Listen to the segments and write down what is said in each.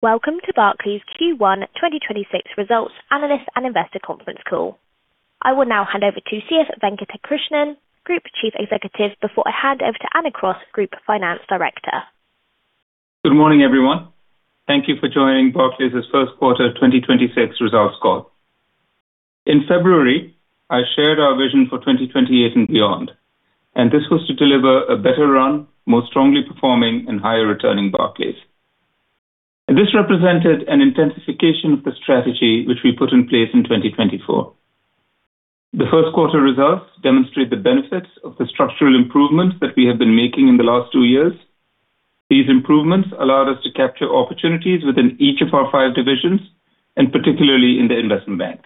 Welcome to Barclays Q1 2026 results analyst and investor conference call. I will now hand over to C.S. Venkatakrishnan, Group Chief Executive, before I hand over to Anna Cross, Group Finance Director. Good morning, everyone. Thank you for joining Barclays' first quarter 2026 results call. In February, I shared our vision for 2028 and beyond, and this was to deliver a better run, more strongly performing and higher returning Barclays. This represented an intensification of the strategy which we put in place in 2024. The first quarter results demonstrate the benefits of the structural improvements that we have been making in the last two years. These improvements allowed us to capture opportunities within each of our five divisions and particularly in the investment bank.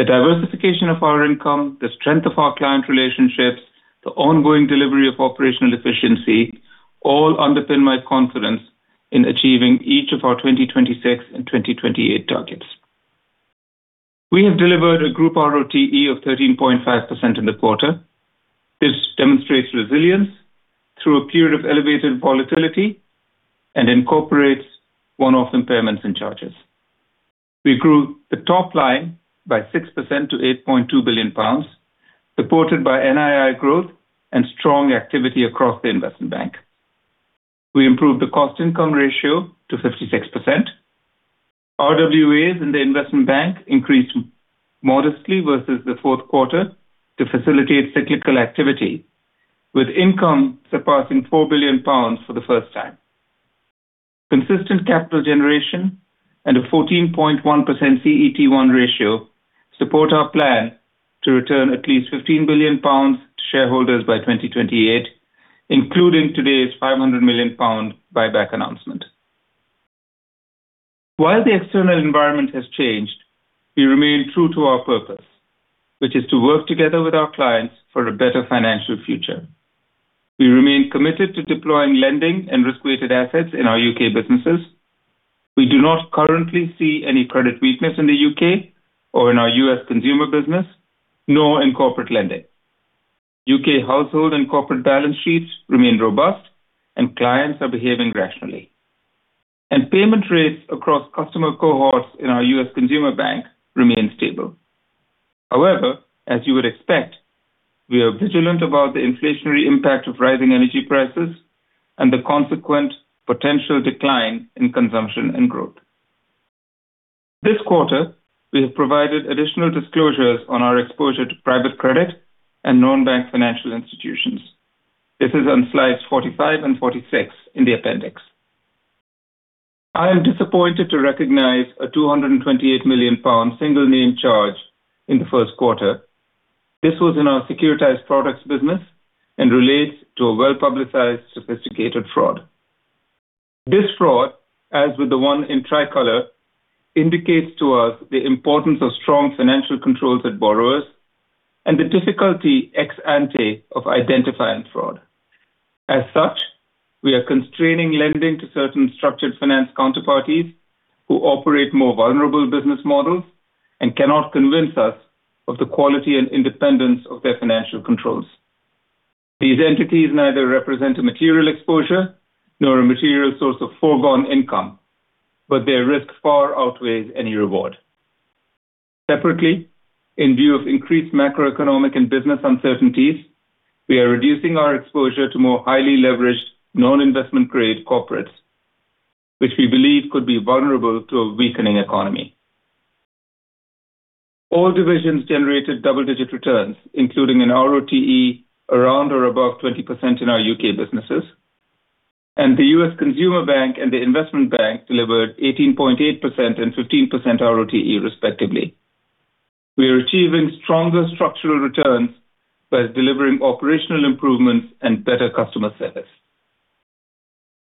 The diversification of our income, the strength of our client relationships, the ongoing delivery of operational efficiency all underpin my confidence in achieving each of our 2026 and 2028 targets. We have delivered a group ROTE of 13.5% in the quarter. This demonstrates resilience through a period of elevated volatility and incorporates one-off impairments and charges. We grew the top line by 6% to 8.2 billion pounds, supported by NII growth and strong activity across the investment bank. We improved the cost-income ratio to 56%. RWAs in the investment bank increased modestly versus the fourth quarter to facilitate cyclical activity, with income surpassing 4 billion pounds for the first time. Consistent capital generation and a 14.1% CET1 ratio support our plan to return at least 15 billion pounds to shareholders by 2028, including today's 500 million pound buyback announcement. While the external environment has changed, we remain true to our purpose, which is to work together with our clients for a better financial future. We remain committed to deploying lending and risk-weighted assets in our U.K. businesses. We do not currently see any credit weakness in the U.K. or in our U.S. Consumer Bank, nor in corporate lending. U.K. household and corporate balance sheets remain robust and clients are behaving rationally. Payment rates across customer cohorts in our U.S. Consumer Bank remain stable. However, as you would expect, we are vigilant about the inflationary impact of rising energy prices and the consequent potential decline in consumption and growth. This quarter, we have provided additional disclosures on our exposure to private credit and non-bank financial institutions. This is on slides 45 and 46 in the appendix. I am disappointed to recognize a 228 million pound single name charge in the first quarter. This was in our securitized products business and relates to a well-publicized sophisticated fraud. This fraud, as with the one in Tricolor, indicates to us the importance of strong financial controls at borrowers and the difficulty ex-ante of identifying fraud. As such, we are constraining lending to certain structured finance counterparties who operate more vulnerable business models and cannot convince us of the quality and independence of their financial controls. These entities neither represent a material exposure nor a material source of foregone income, but their risk far outweighs any reward. Separately, in view of increased macroeconomic and business uncertainties, we are reducing our exposure to more highly leveraged non-investment grade corporates, which we believe could be vulnerable to a weakening economy. All divisions generated double-digit returns, including an ROTE around or above 20% in our U.K. businesses, and the U.S. Consumer Bank and the Investment Bank delivered 18.8% and 15% ROTE respectively. We are achieving stronger structural returns by delivering operational improvements and better customer service.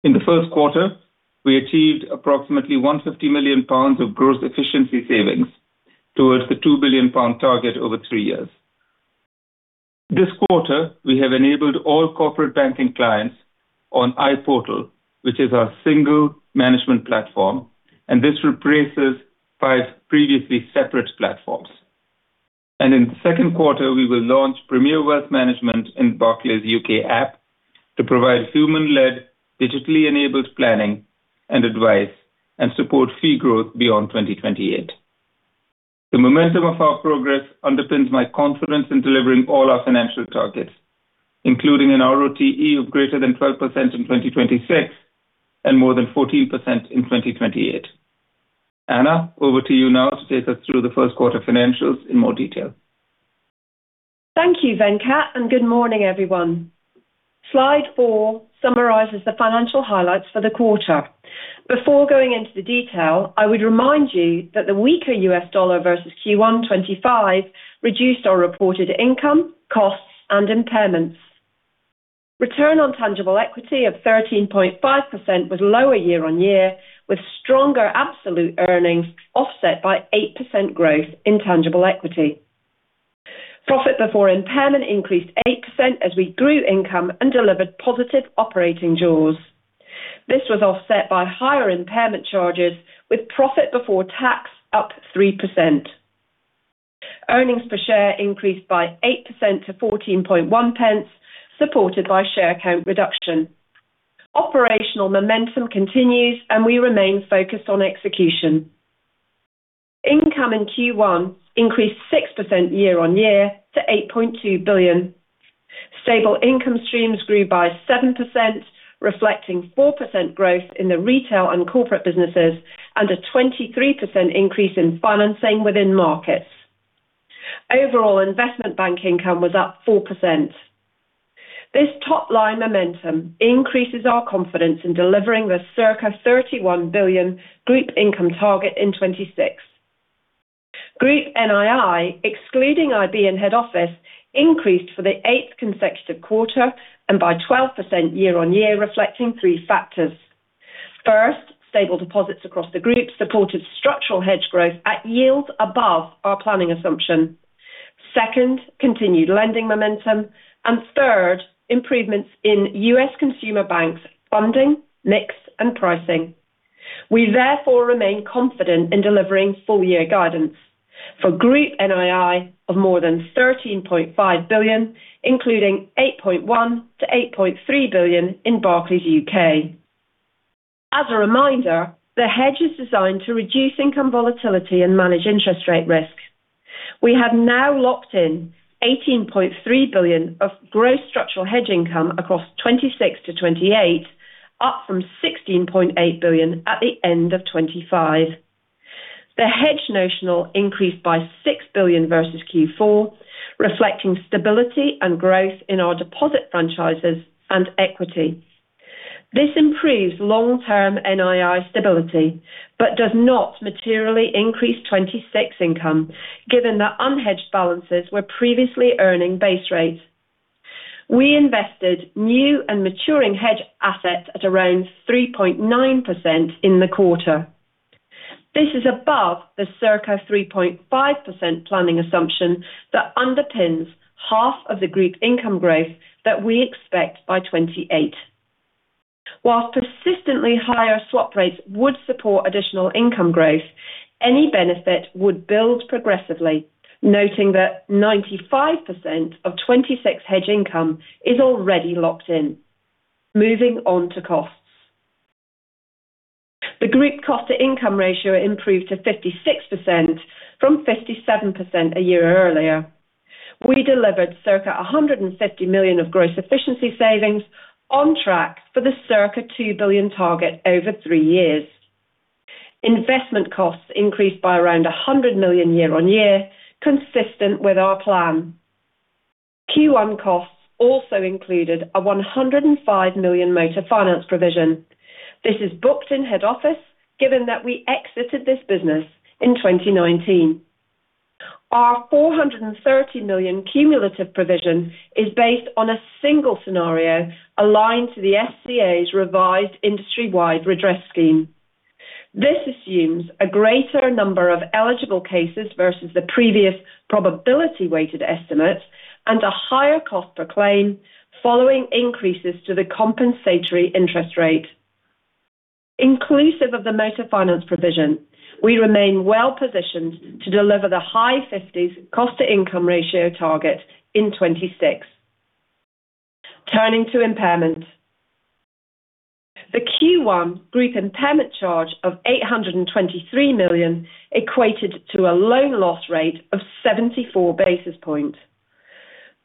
In the first quarter, we achieved approximately 150 million pounds of gross efficiency savings towards the 2 billion pound target over three years. This quarter, we have enabled all corporate banking clients on iPortal, which is our single management platform, and this replaces 5 previously separate platforms. In the second quarter, we will launch Premier Wealth Management in Barclays UK app to provide human-led, digitally enabled planning and advice and support fee growth beyond 2028. The momentum of our progress underpins my confidence in delivering all our financial targets, including a ROTE of greater than 12% in 2026 and more than 14% in 2028. Anna, over to you now to take us through the first quarter financials in more detail. Thank you, Venkat, and good morning, everyone. Slide four summarizes the financial highlights for the quarter. Before going into the detail, I would remind you that the weaker US dollar versus Q1 2025 reduced our reported income, costs, and impairments. Return on tangible equity of 13.5% was lower year-on-year, with stronger absolute earnings offset by 8% growth in tangible equity. Profit before impairment increased 8% as we grew income and delivered positive operating jaws. This was offset by higher impairment charges with profit before tax up 3%. Earnings per share increased by 8% to 14.1 pence, supported by share count reduction. Operational momentum continues and we remain focused on execution. Income in Q1 increased 6% year-on-year to 8.2 billion. Stable income streams grew by 7%, reflecting 4% growth in the retail and corporate businesses and a 23% increase in financing within markets. Overall, investment bank income was up 4%. This top-line momentum increases our confidence in delivering the circa 31 billion group income target in 2026. Group NII, excluding IB and head office, increased for the eighth consecutive quarter and by 12% year-on-year, reflecting three factors. First, stable deposits across the group supported structural hedge growth at yields above our planning assumption. Second, continued lending momentum. Third, improvements in U.S. Consumer Bank’s funding, mix, and pricing. We therefore remain confident in delivering full-year guidance for group NII of more than 13.5 billion, including 8.1 billion-8.3 billion in Barclays UK. As a reminder, the hedge is designed to reduce income volatility and manage interest rate risk. We have now locked in 18.3 billion of gross structural hedge income across 2026-2028, up from 16.8 billion at the end of 2025. The hedge notional increased by 6 billion versus Q4, reflecting stability and growth in our deposit franchises and equity. This improves long-term NII stability, but does not materially increase 2026 income, given that unhedged balances were previously earning base rates. We invested new and maturing hedge assets at around 3.9% in the quarter. This is above the circa 3.5% planning assumption that underpins half of the group income growth that we expect by 2028. While persistently higher swap rates would support additional income growth, any benefit would build progressively, noting that 95% of hedge income is already locked in. Moving on to costs. The group cost-to-income ratio improved to 56% from 57% a year earlier. We delivered circa 150 million of gross efficiency savings on track for the circa 2 billion target over three years. Investment costs increased by around 100 million year-on-year, consistent with our plan. Q1 costs also included a 105 million motor finance provision. This is booked in head office, given that we exited this business in 2019. Our 430 million cumulative provision is based on a single scenario aligned to the FCA's revised industry-wide redress scheme. This assumes a greater number of eligible cases versus the previous probability-weighted estimate and a higher cost per claim following increases to the compensatory interest rate. Inclusive of the motor finance provision, we remain well positioned to deliver the high fifties cost-to-income ratio target in 2026. Turning to impairments. The Q1 group impairment charge of 823 million equated to a loan loss rate of 74 basis points.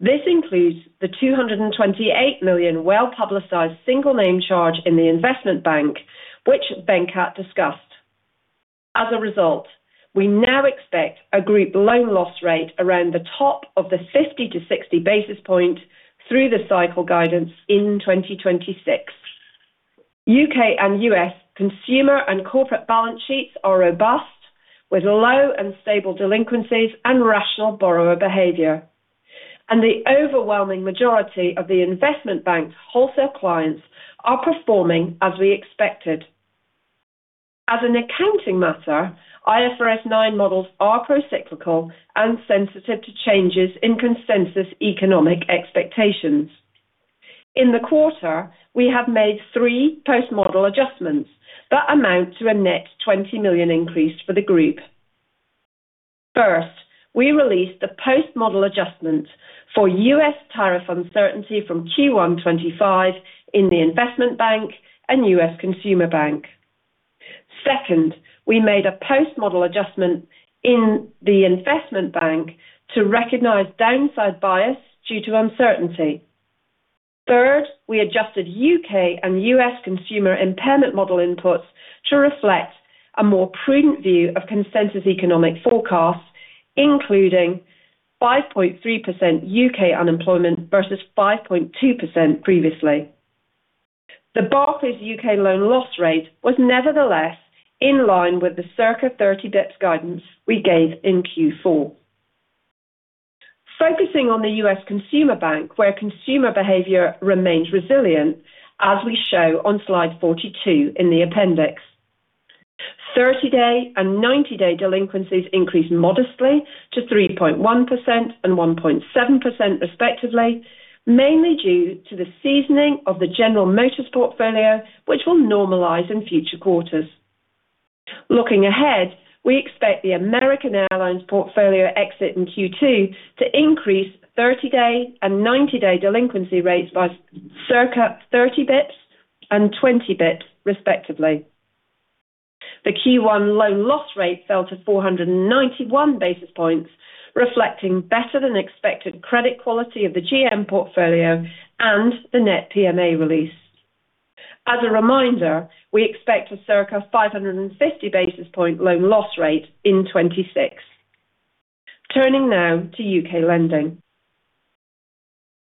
This includes the 228 million well-publicized single name charge in the investment bank, which Venkat discussed. As a result, we now expect a group loan loss rate around the top of the 50-60 basis point through the cycle guidance in 2026. U.K. and U.S. consumer and corporate balance sheets are robust, with low and stable delinquencies and rational borrower behavior. The overwhelming majority of the investment bank's wholesale clients are performing as we expected. As an accounting matter, IFRS 9 models are procyclical and sensitive to changes in consensus economic expectations. In the quarter, we have made three post-model adjustments that amount to a net 20 million increase for the group. First, we released the post-model adjustment for U.S. tariff uncertainty from Q1 2025 in the investment bank and U.S. Consumer Bank. Second, we made a post-model adjustment in the investment bank to recognize downside bias due to uncertainty. Third, we adjusted U.K. and U.S. Consumer impairment model inputs to reflect a more prudent view of consensus economic forecasts, including 5.3% U.K. unemployment versus 5.2% previously. The Barclays UK loan loss rate was nevertheless in line with the circa 30 bps guidance we gave in Q4. Focusing on the US Consumer Bank, where consumer behavior remains resilient, as we show on slide 42 in the appendix. Thirty-day and ninety-day delinquencies increased modestly to 3.1% and 1.7% respectively, mainly due to the seasoning of the General Motors portfolio, which will normalize in future quarters. Looking ahead, we expect the American Airlines portfolio exit in Q2 to increase thirty-day and ninety-day delinquency rates by circa 30 basis points and 20 basis points, respectively. The Q1 loan loss rate fell to 491 basis points, reflecting better than expected credit quality of the GM portfolio and the net PMA release. As a reminder, we expect a circa 550 basis point loan loss rate in 2026. Turning now to UK lending.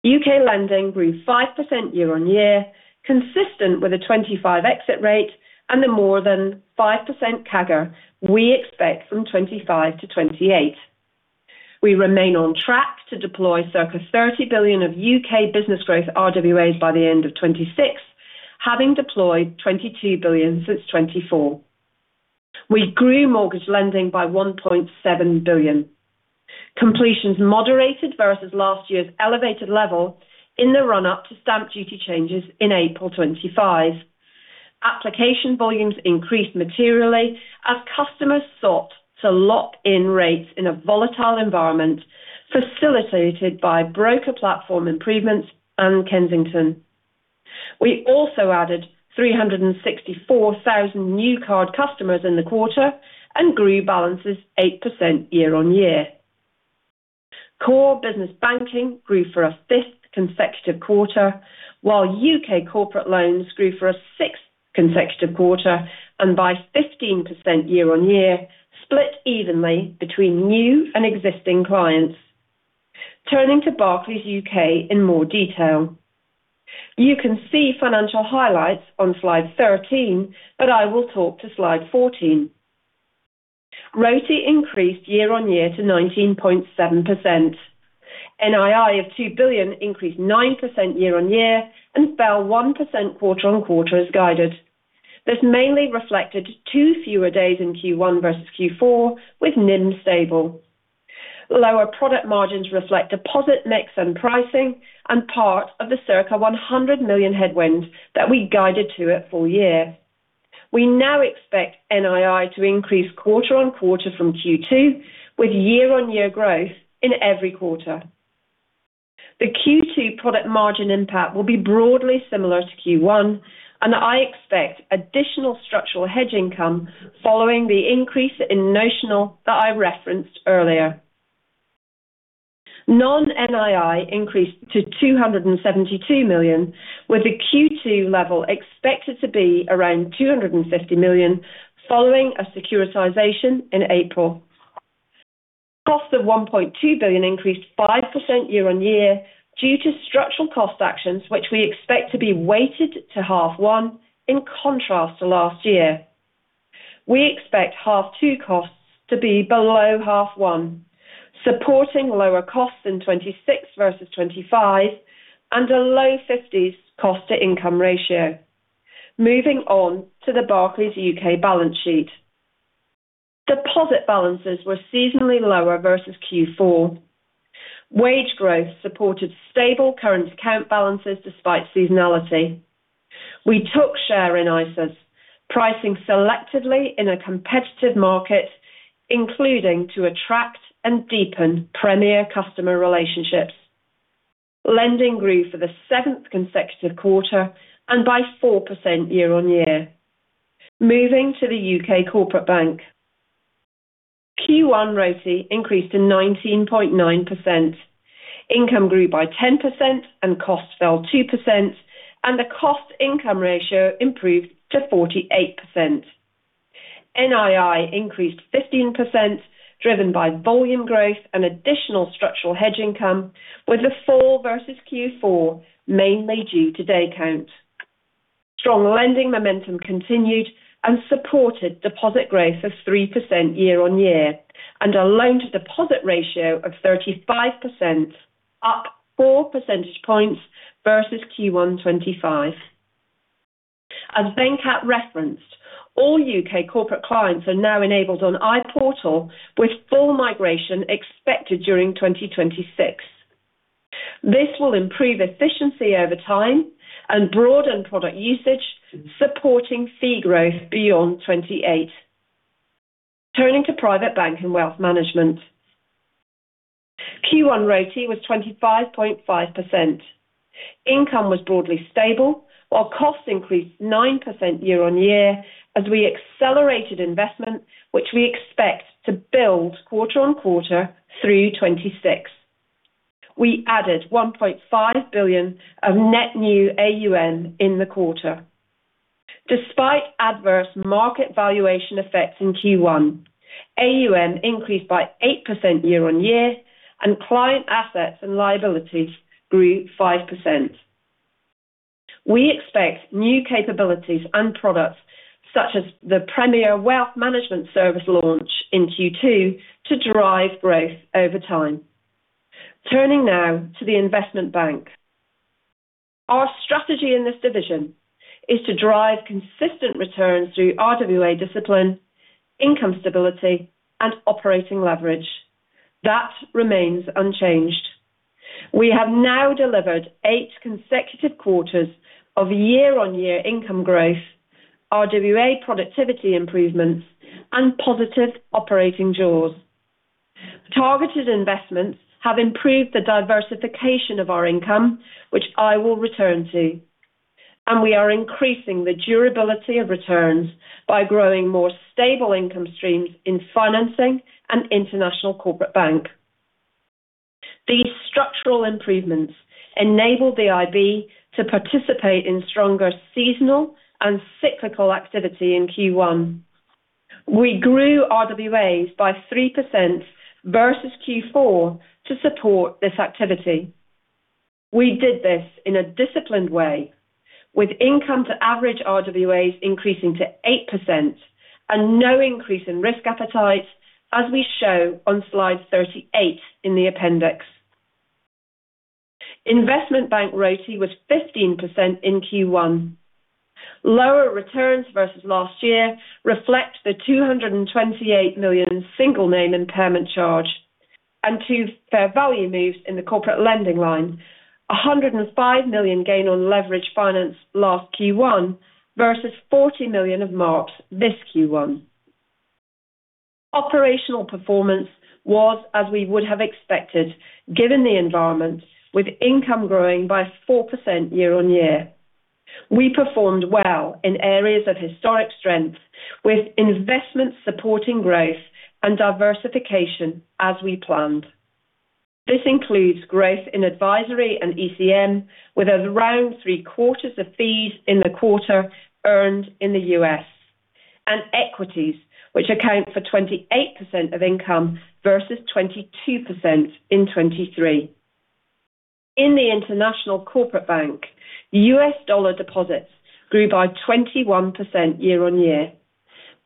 UK lending grew 5% year-on-year, consistent with a 2025 exit rate and the more than 5% CAGR we expect from 2025 to 2028. We remain on track to deploy circa 30 billion of UK business growth RWAs by the end of 2026, having deployed 22 billion since 2024. We grew mortgage lending by 1.7 billion. Completions moderated versus last year's elevated level in the run-up to stamp duty changes in April 2025. Application volumes increased materially as customers sought to lock in rates in a volatile environment, facilitated by broker platform improvements and Kensington. We also added 364,000 new card customers in the quarter and grew balances 8% year-on-year. Core business banking grew for a 5th consecutive quarter, while UK corporate loans grew for a 6th consecutive quarter and by 15% year-on-year, split evenly between new and existing clients. Turning to Barclays UK in more detail. You can see financial highlights on slide 13, but I will talk to slide 14. ROTE increased year-over-year to 19.7%. NII of 2 billion increased 9% year-over-year and fell 1% quarter-over-quarter as guided. This mainly reflected two fewer days in Q1 versus Q4 with NIM stable. Lower product margins reflect deposit mix and pricing and part of the circa 100 million headwind that we guided to at full year. We now expect NII to increase quarter-over-quarter from Q2 with year-over-year growth in every quarter. The Q2 product margin impact will be broadly similar to Q1, and I expect additional structural hedge income following the increase in notional that I referenced earlier. Non-NII increased to 272 million, with the Q2 level expected to be around 250 million following a securitization in April. Costs of 1.2 billion increased 5% year-on-year due to structural cost actions, which we expect to be weighted to half one in contrast to last year. We expect half two costs to be below half one, supporting lower costs in 2026 versus 2025 and a low 50s cost-to-income ratio. Moving on to the Barclays UK balance sheet. Deposit balances were seasonally lower versus Q4. Wage growth supported stable current account balances despite seasonality. We took share in ISAs, pricing selectively in a competitive market, including to attract and deepen Premier customer relationships. Lending grew for the 7th consecutive quarter and by 4% year-on-year. Moving to the UK Corporate Bank. Q1 ROTE increased to 19.9%. Income grew by 10% and costs fell 2%, and the cost-to-income ratio improved to 48%. NII increased 15%, driven by volume growth and additional structural hedge income, with a fall versus Q4 mainly due to day count. Strong lending momentum continued and supported deposit growth of 3% year-on-year, and our loan-to-deposit ratio of 35%, up 4 percentage points versus Q1 2025. As Venkat referenced, all UK corporate clients are now enabled on iPortal, with full migration expected during 2026. This will improve efficiency over time and broaden product usage, supporting fee growth beyond 2028. Turning to private bank and wealth management. Q1 ROTE was 25.5%. Income was broadly stable, while costs increased 9% year-on-year as we accelerated investment, which we expect to build quarter-on-quarter through 2026. We added 1.5 billion of net new AUM in the quarter. Despite adverse market valuation effects in Q1, AUM increased by 8% year-over-year, and client assets and liabilities grew 5%. We expect new capabilities and products such as the Premier Wealth Management Service launch in Q2 to drive growth over time. Turning now to the Investment Bank. Our strategy in this division is to drive consistent returns through RWA discipline, income stability, and operating leverage. That remains unchanged. We have now delivered eight consecutive quarters of year-over-year income growth, RWA productivity improvements, and positive operating jaws. Targeted investments have improved the diversification of our income, which I will return to. We are increasing the durability of returns by growing more stable income streams in financing and International Corporate Bank. These structural improvements enable the IB to participate in stronger seasonal and cyclical activity in Q1. We grew RWAs by 3% versus Q4 to support this activity. We did this in a disciplined way with income to average RWAs increasing to 8% and no increase in risk appetite, as we show on slide 38 in the appendix. Investment Bank ROTCE was 15% in Q1. Lower returns versus last year reflect the 228 million single name impairment charge and two fair value moves in the corporate lending line. 105 million gain on leverage finance last Q1 versus 40 million of marks this Q1. Operational performance was as we would have expected given the environment with income growing by 4% year-over-year. We performed well in areas of historic strength with investments supporting growth and diversification as we planned. This includes growth in advisory and ECM with around three quarters of fees in the quarter earned in the U.S. Equities, which account for 28% of income versus 22% in 2023. In the International Corporate Bank, US dollar deposits grew by 21% year-over-year,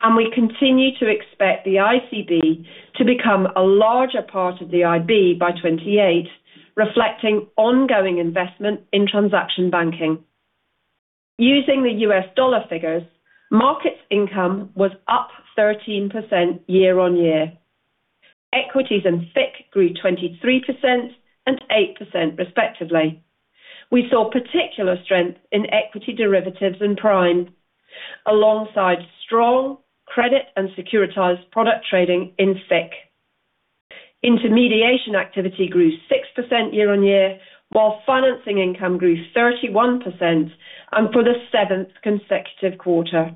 and we continue to expect the ICB to become a larger part of the IB by 2028, reflecting ongoing investment in transaction banking. Using the US dollar figures, markets income was up 13% year-over-year. Equities and FIC grew 23% and 8% respectively. We saw particular strength in equity derivatives and prime, alongside strong credit and securitized product trading in FIC. Intermediation activity grew 6% year-over-year while financing income grew 31% and for the 7th consecutive quarter.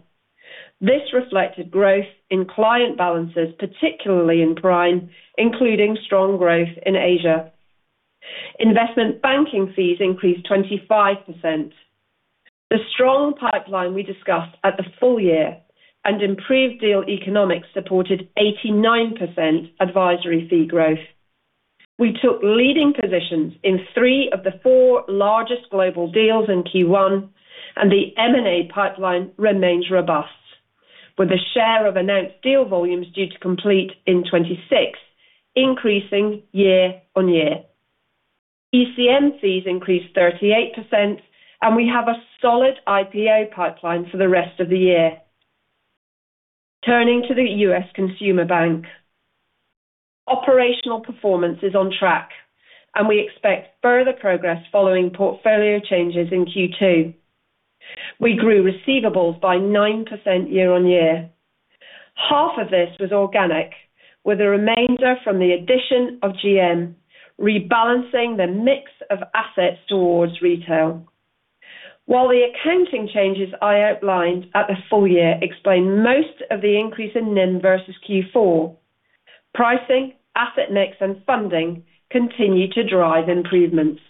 This reflected growth in client balances, particularly in prime, including strong growth in Asia. Investment banking fees increased 25%. The strong pipeline we discussed at the full year and improved deal economics supported 89% advisory fee growth. We took leading positions in three of the four largest global deals in Q1, and the M&A pipeline remains robust with a share of announced deal volumes due to complete in 2026, increasing year-on-year. ECM fees increased 38% and we have a solid IPO pipeline for the rest of the year. Turning to the US Consumer Bank. Operational performance is on track and we expect further progress following portfolio changes in Q2. We grew receivables by 9% year-on-year. Half of this was organic, with the remainder from the addition of GM rebalancing the mix of assets towards retail. While the accounting changes I outlined at the full year explain most of the increase in NIM versus Q4, pricing, asset mix and funding continue to drive improvements.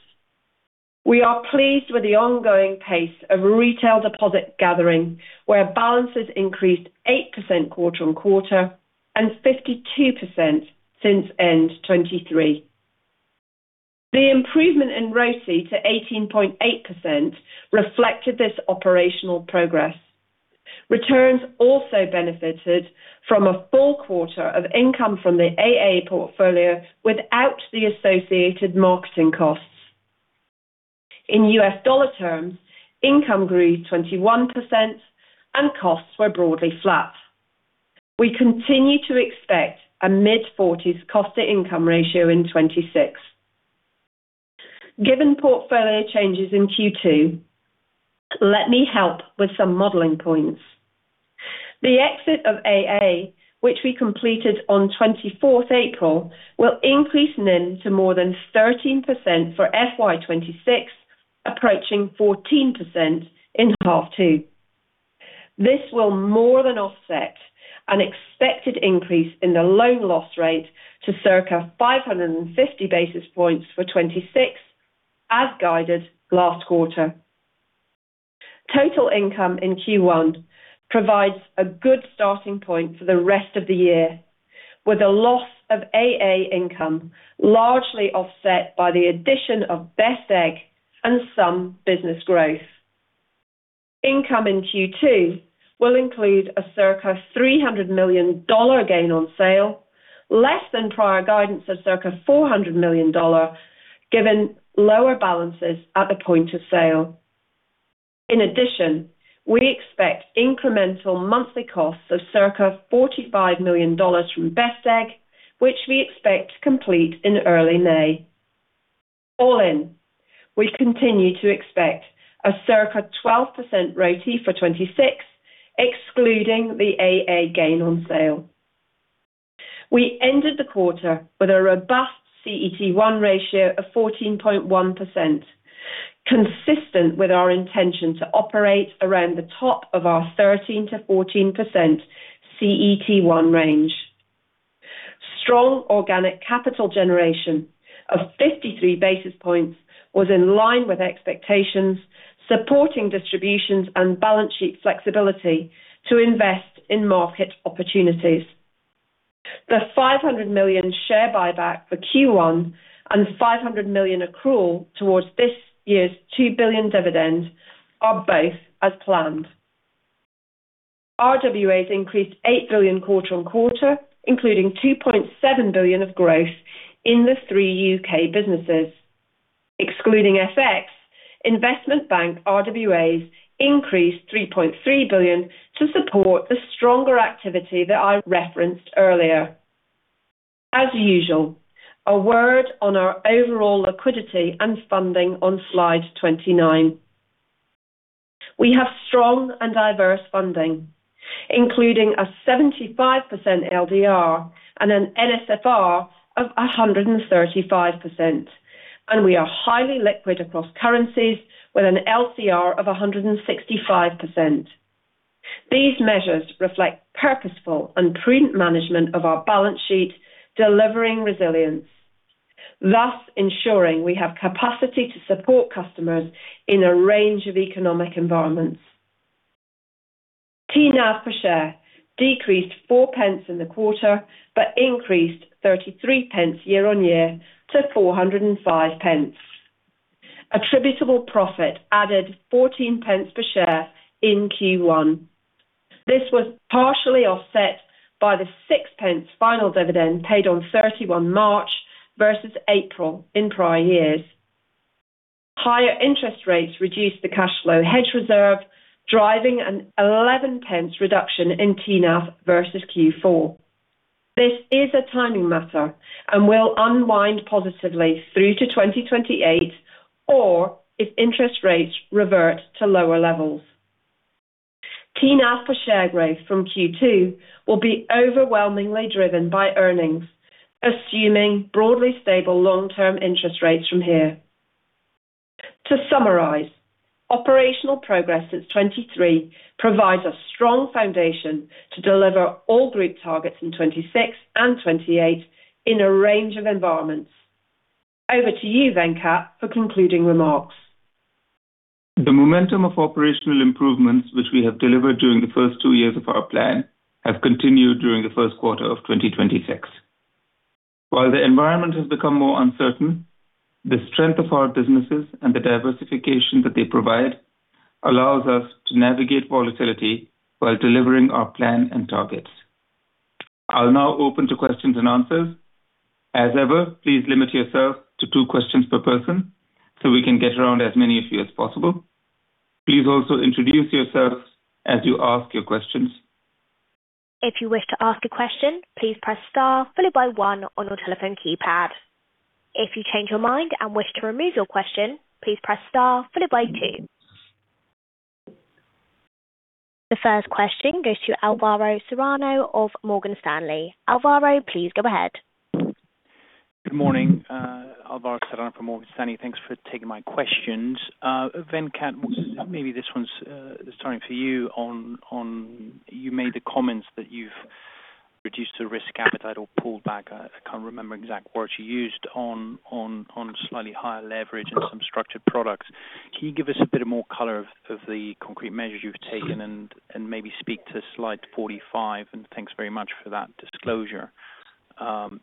We are pleased with the ongoing pace of retail deposit gathering, where balances increased 8% quarter-on-quarter and 52% since end 2023. The improvement in ROTCE to 18.8% reflected this operational progress. Returns also benefited from a full quarter of income from the AA portfolio without the associated marketing costs. In U.S. dollar terms, income grew 21% and costs were broadly flat. We continue to expect a mid-forties cost to income ratio in 2026. Given portfolio changes in Q2, let me help with some modeling points. The exit of AA, which we completed on 24th April, will increase NIM to more than 13% for FY 2026, approaching 14% in half two. This will more than offset an expected increase in the loan loss rate to circa 550 basis points for 2026 as guided last quarter. Total income in Q1 provides a good starting point for the rest of the year, with a loss of AA income largely offset by the addition of Best Egg and some business growth. Income in Q2 will include a circa $300 million gain on sale less than prior guidance of circa $400 million, given lower balances at the point of sale. In addition, we expect incremental monthly costs of circa $45 million from Best Egg, which we expect to complete in early May. All in, we continue to expect a circa 12% ROTE for 2026, excluding the AA gain on sale. We ended the quarter with a robust CET1 ratio of 14.1%, consistent with our intention to operate around the top of our 13%-14% CET1 range. Strong organic capital generation of 53 basis points was in line with expectations, supporting distributions and balance sheet flexibility to invest in market opportunities. The 500 million share buyback for Q1 and 500 million accrual towards this year's 2 billion dividends are both as planned. RWAs increased 8 billion quarter-on-quarter, including 2.7 billion of growth in the three UK businesses. Excluding FX, investment bank RWAs increased 3.3 billion to support the stronger activity that I referenced earlier. As usual, a word on our overall liquidity and funding on slide 29. We have strong and diverse funding, including a 75% LDR and an NSFR of 135%. We are highly liquid across currencies with an LCR of 165%. These measures reflect purposeful and prudent management of our balance sheet, delivering resilience, thus ensuring we have capacity to support customers in a range of economic environments. TNAF per share decreased 4 pence in the quarter, but increased 33 pence year on year to 405 pence. Attributable profit added 14 pence per share in Q1. This was partially offset by the 6 pence final dividend paid on 31 March versus April in prior years. Higher interest rates reduced the cash flow hedge reserve, driving an 11 pence reduction in TNAF versus Q4. This is a timing matter and will unwind positively through to 2028, or if interest rates revert to lower levels. TNAF per share growth from Q2 will be overwhelmingly driven by earnings, assuming broadly stable long-term interest rates from here. To summarize, operational progress since 2023 provides a strong foundation to deliver all group targets in 2026 and 2028 in a range of environments. Over to you, Venkat, for concluding remarks. The momentum of operational improvements which we have delivered during the first two years of our plan have continued during the first quarter of 2026. While the environment has become more uncertain, the strength of our businesses and the diversification that they provide allows us to navigate volatility while delivering our plan and targets. I'll now open to questions and answers. As ever, please limit yourself to two questions per person so we can get around as many of you as possible. Please also introduce yourselves as you ask your questions. The first question goes to Alvaro Serrano of Morgan Stanley. Alvaro, please go ahead. Good morning, Alvaro Serrano from Morgan Stanley. Thanks for taking my questions. Venkat, maybe this one's starting for you. On you made the comments that you've reduced the risk appetite or pulled back. I can't remember exact words you used on slightly higher leverage and some structured products. Can you give us a bit more color of the concrete measures you've taken and maybe speak to slide 45? And thanks very much for that disclosure.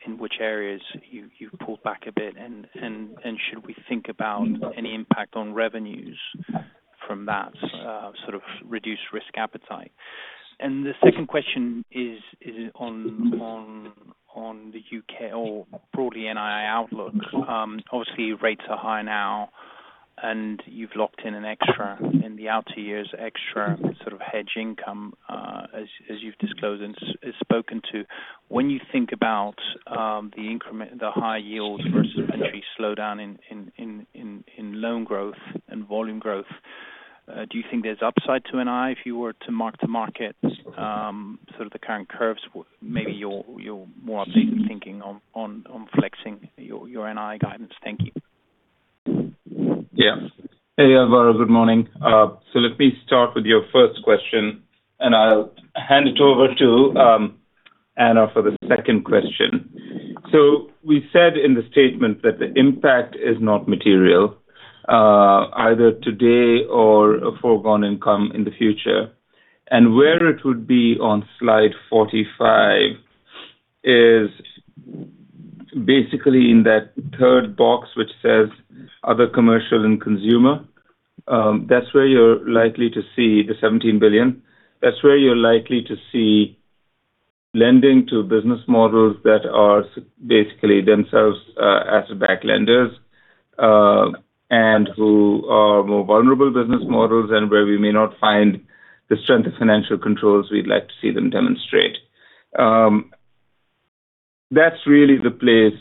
In which areas you pulled back a bit and should we think about any impact on revenues from that sort of reduced risk appetite? The second question is on the U.K. or broadly NII outlook. Obviously rates are high now, and you've locked in an extra in the outer years, extra sort of hedge income, as you've disclosed and spoken to. When you think about the increment, the high yields versus actually slowdown in loan growth and volume growth, do you think there's upside to NI if you were to mark-to-market sort of the current curves, maybe your more updated thinking on flexing your NI guidance? Thank you. Hey, Alvaro. Good morning. Let me start with your first question, and I'll hand it over to Anna for the second question. We said in the statement that the impact is not material, either today or foregone income in the future. Where it would be on slide 45 is basically in that third box, which says other commercial and consumer. That's where you're likely to see the 17 billion. That's where you're likely to see lending to business models that are basically themselves as the back lenders, and who are more vulnerable business models and where we may not find the strength of financial controls we'd like to see them demonstrate. That's really the place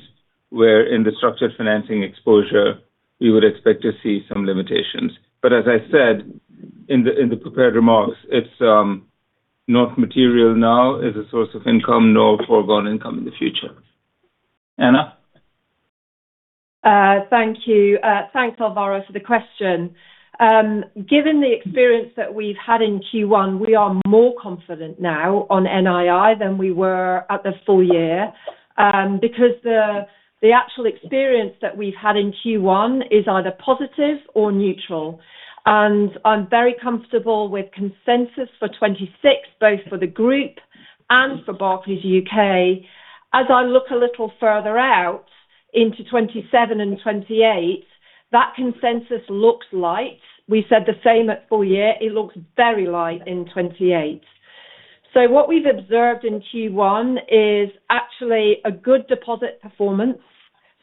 where in the structured financing exposure we would expect to see some limitations. As I said in the prepared remarks, it's not material now as a source of income, nor foregone income in the future. Anna. Thank you. Thanks, Alvaro, for the question. Given the experience that we've had in Q1, we are more confident now on NII than we were at the full year, because the actual experience that we've had in Q1 is either positive or neutral. I'm very comfortable with consensus for 2026, both for the group and for Barclays UK. As I look a little further out into 2027 and 2028, that consensus looks light. We said the same at full year. It looks very light in 2028. What we've observed in Q1 is actually a good deposit performance.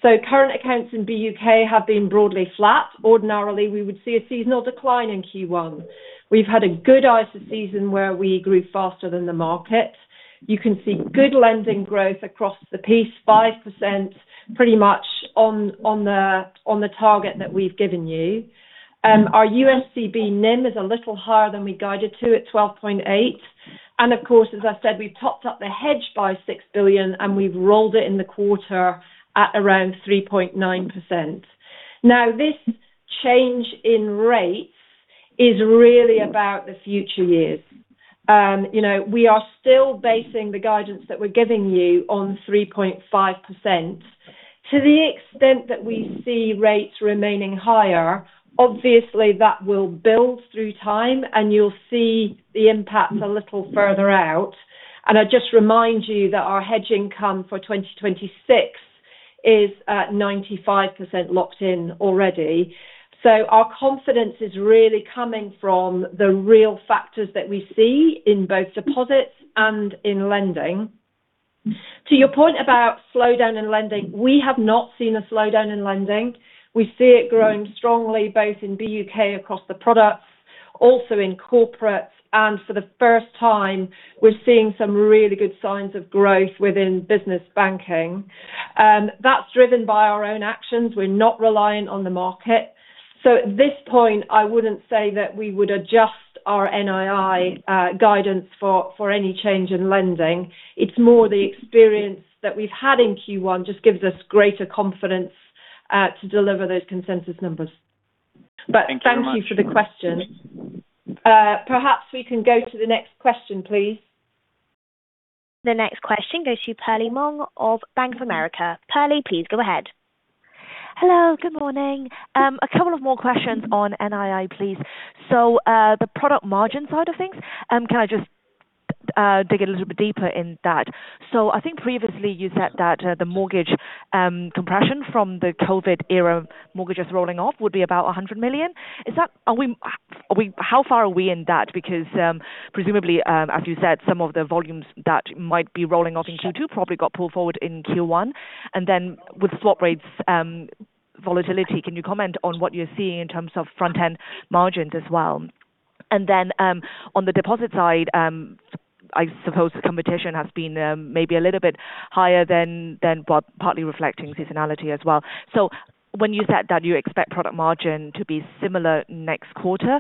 Current accounts in BUK have been broadly flat. Ordinarily, we would see a seasonal decline in Q1. We've had a good ISA season where we grew faster than the market. You can see good lending growth across the piece, 5%, pretty much on the target that we've given you. Our USCB NIM is a little higher than we guided to at 12.8%. Of course, as I said, we've topped up the hedge by 6 billion, and we've rolled it in the quarter at around 3.9%. This change in rates is really about the future years. You know, we are still basing the guidance that we're giving you on 3.5%. To the extent that we see rates remaining higher, obviously that will build through time, and you'll see the impact a little further out. I just remind you that our hedge income for 2026 is at 95% locked in already. Our confidence is really coming from the real factors that we see in both deposits and in lending. To your point about slowdown in lending, we have not seen a slowdown in lending. We see it growing strongly, both in BUK across the products, also in corporates, and for the first time, we're seeing some really good signs of growth within business banking. That's driven by our own actions. We're not reliant on the market. At this point, I wouldn't say that we would adjust our NII guidance for any change in lending. It's more the experience that we've had in Q1 just gives us greater confidence to deliver those consensus numbers. Thank you very much. Thank you for the question. Perhaps we can go to the next question, please. The next question goes to Perlie Mong of Bank of America. Perlie, please go ahead. Hello, good morning. A couple of more questions on NII, please. The product margin side of things, can I just dig a little bit deeper in that? I think previously you said that the mortgage compression from the COVID era mortgages rolling off would be about 100 million. Is that how far are we in that? Because, presumably, as you said, some of the volumes that might be rolling off in Q2 probably got pulled forward in Q1. With swap rates volatility, can you comment on what you're seeing in terms of front-end margins as well? On the deposit side, I suppose the competition has been maybe a little bit higher than what, partly reflecting seasonality as well. When you said that you expect product margin to be similar next quarter,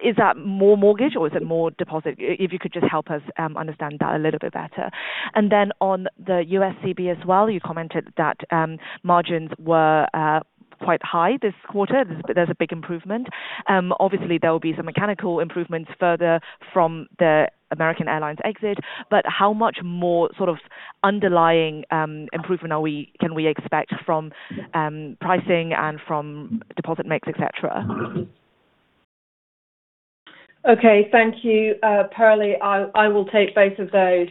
is that more mortgage or is it more deposit? If you could just help us understand that a little bit better. On the USCB as well, you commented that margins were quite high this quarter. There's a big improvement. Obviously there will be some mechanical improvements further from the American Airlines exit, but how much more sort of underlying improvement can we expect from pricing and from deposit mix, et cetera? Okay. Thank you, Perlie. I will take both of those.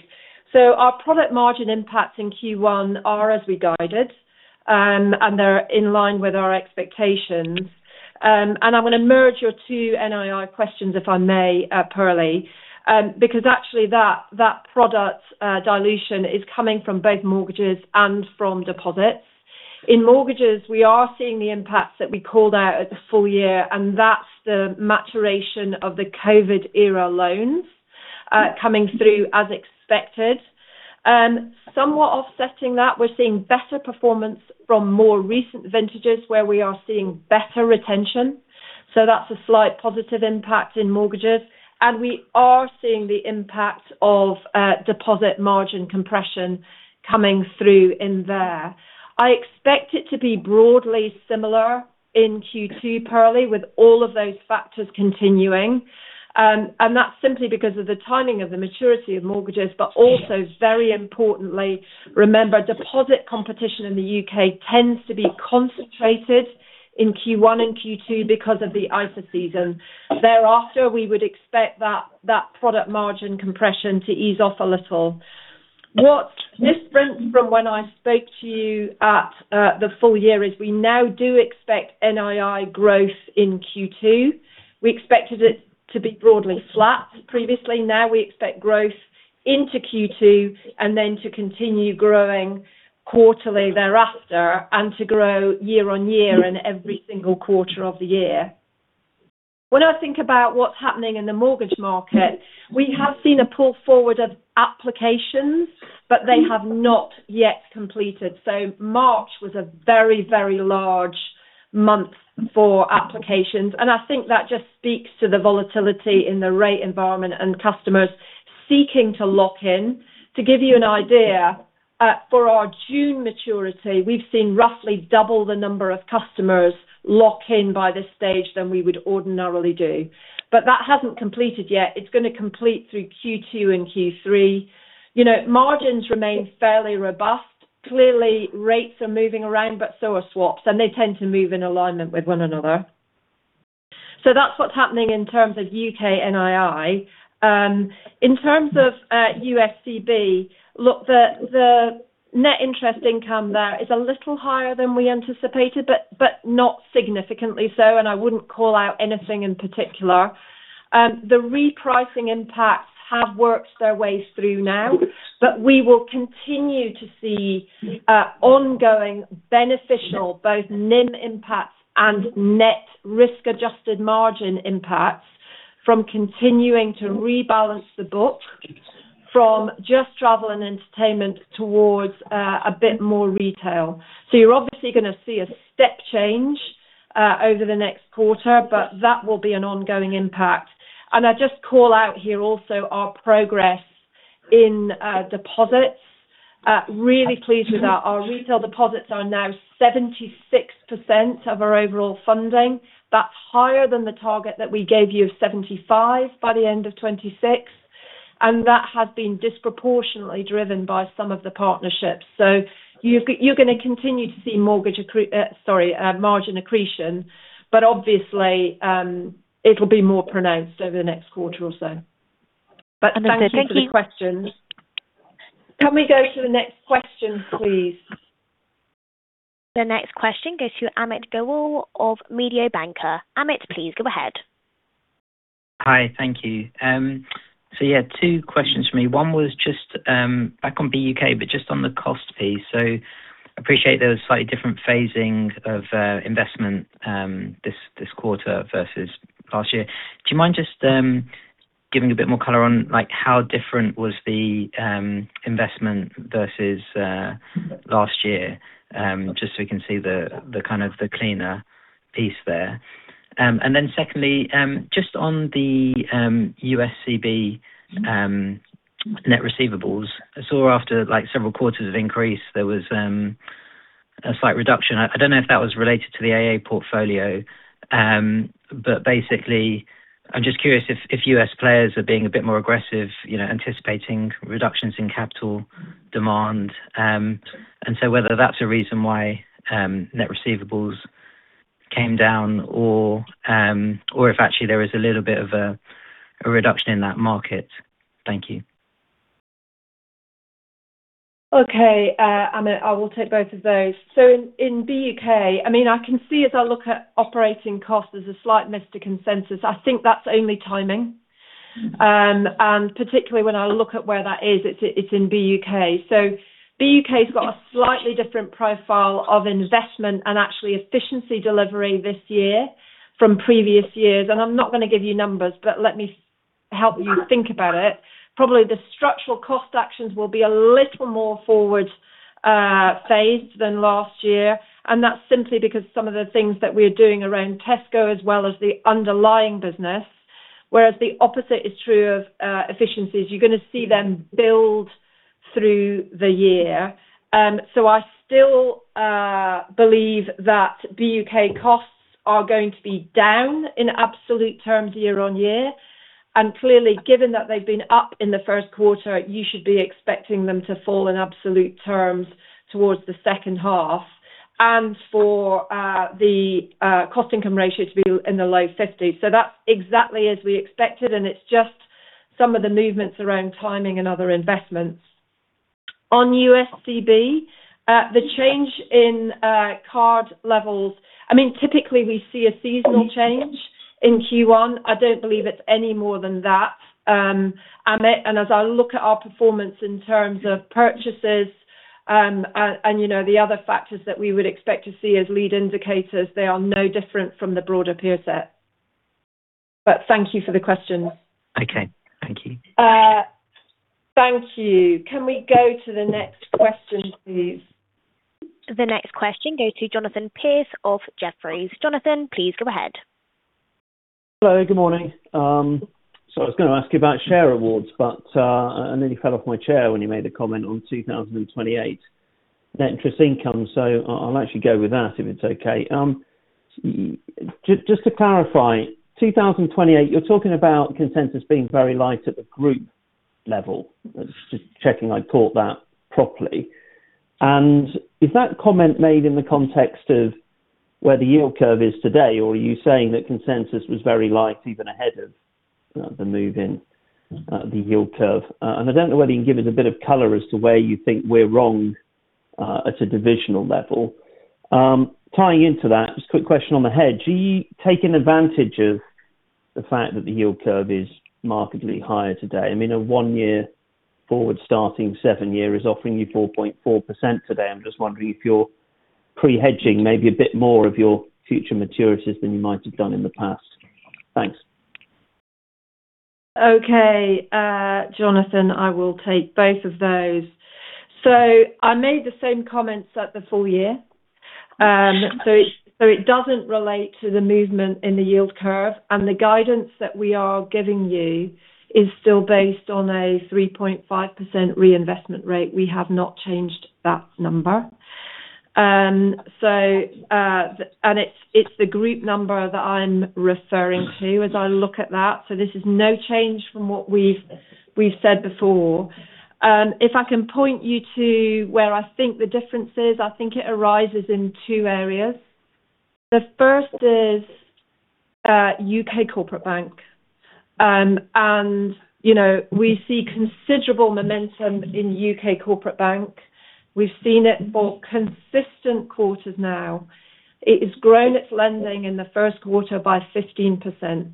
Our product margin impacts in Q1 are as we guided, and they're in line with our expectations. I want to merge your two NII questions if I may, Perlie, because actually that product dilution is coming from both mortgages and from deposits. In mortgages, we are seeing the impacts that we called out at the full year, and that's the maturation of the COVID era loans coming through as expected. Somewhat offsetting that, we're seeing better performance from more recent vintages where we are seeing better retention, so that's a slight positive impact in mortgages. We are seeing the impact of deposit margin compression coming through in there. I expect it to be broadly similar in Q2, Perlie, with all of those factors continuing. That's simply because of the timing of the maturity of mortgages. Also, very importantly, remember, deposit competition in the U.K. tends to be concentrated in Q1 and Q2 because of the ISA season. Thereafter, we would expect that product margin compression to ease off a little. What's different from when I spoke to you at the full year is we now do expect NII growth in Q2. We expected it to be broadly flat previously. Now we expect growth into Q2 and then to continue growing quarterly thereafter and to grow year-over-year in every single quarter of the year. When I think about what's happening in the mortgage market, we have seen a pull forward of applications, but they have not yet completed. March was a very, very large month for applications, and I think that just speaks to the volatility in the rate environment and customers seeking to lock in. To give you an idea, for our June maturity, we've seen roughly double the number of customers lock in by this stage than we would ordinarily do. That hasn't completed yet. It's gonna complete through Q2 and Q3. You know, margins remain fairly robust. Clearly, rates are moving around, but so are swaps, and they tend to move in alignment with one another. That's what's happening in terms of UK NII. In terms of USCB, look, the net interest income there is a little higher than we anticipated, but not significantly so, and I wouldn't call out anything in particular. The repricing impacts have worked their ways through now, but we will continue to see ongoing beneficial, both NIM impacts and net risk-adjusted margin impacts from continuing to rebalance the book from just travel and entertainment towards a bit more retail. You're obviously gonna see a step change over the next quarter, but that will be an ongoing impact. I just call out here also our progress in deposits. Really pleased with that. Our retail deposits are now 76% of our overall funding. That's higher than the target that we gave you of 75 by the end of 2026, and that has been disproportionately driven by some of the partnerships. You're gonna continue to see margin accretion, but obviously, it'll be more pronounced over the next quarter or so. Thank you. Thank you for the questions. Can we go to the next question, please? The next question goes to Amit Goel of Mediobanca. Amit, please go ahead. Hi. Thank you. Yeah, two questions from me. One was just back on BUK, but just on the cost piece. Appreciate there was slightly different phasing of investment this quarter versus last year. Do you mind just giving a bit more color on like how different was the investment versus last year? Just so we can see the kind of cleaner piece there. Then secondly, just on the USCB net receivables. I saw after like several quarters of increase, there was a slight reduction. I don't know if that was related to the AA portfolio. But basically, I'm just curious if US players are being a bit more aggressive, you know, anticipating reductions in capital demand. Whether that's a reason why net receivables came down or if actually there is a little bit of a reduction in that market. Thank you. Okay. Amit, I will take both of those. In BUK, I mean, I can see as I look at operating costs, there's a slight miss to consensus. I think that's only timing. And particularly when I look at where that is, it's in BUK. BUK's got a slightly different profile of investment and actually efficiency delivery this year from previous years. I'm not gonna give you numbers, but let me help you think about it. Probably the structural cost actions will be a little more forward phased than last year, and that's simply because some of the things that we're doing around Tesco as well as the underlying business, whereas the opposite is true of efficiencies. You're gonna see them build through the year. I still believe that BUK costs are going to be down in absolute terms year-on-year. Clearly, given that they've been up in the first quarter, you should be expecting them to fall in absolute terms towards the second half. For the cost-income ratio to be in the low 50s. That's exactly as we expected, and it's just some of the movements around timing and other investments. On USCB, the change in card levels, I mean, typically we see a seasonal change in Q1. I don't believe it's any more than that, Amit, and as I look at our performance in terms of purchases, and you know, the other factors that we would expect to see as lead indicators, they are no different from the broader peer set. Thank you for the questions. Okay. Thank you. Thank you. Can we go to the next question, please? The next question goes to Jonathan Pierce of Jefferies. Jonathan, please go ahead. Hello. Good morning. I was gonna ask you about share awards, but I nearly fell off my chair when you made the comment on 2028 net interest income. I'll actually go with that if it's okay. Just to clarify, 2028, you're talking about consensus being very light at the group level. Just checking I caught that properly. Is that comment made in the context of where the yield curve is today, or are you saying that consensus was very light even ahead of the move in the yield curve? I don't know whether you can give us a bit of color as to where you think we're wrong at a divisional level. Tying into that, just a quick question on the hedge. Are you taking advantage of the fact that the yield curve is markedly higher today? I mean, a one-year forward starting seven-year is offering you 4.4% today. I'm just wondering if you're pre-hedging maybe a bit more of your future maturities than you might have done in the past. Thanks. Okay. Jonathan, I will take both of those. I made the same comments at the full year. It doesn't relate to the movement in the yield curve. The guidance that we are giving you is still based on a 3.5% reinvestment rate. We have not changed that number. It's the group number that I'm referring to as I look at that. This is no change from what we've said before. If I can point you to where I think the difference is, I think it arises in two areas. The first is UK Corporate Bank. You know, we see considerable momentum in UK Corporate Bank. We've seen it for consistent quarters now. It has grown its lending in the first quarter by 15%,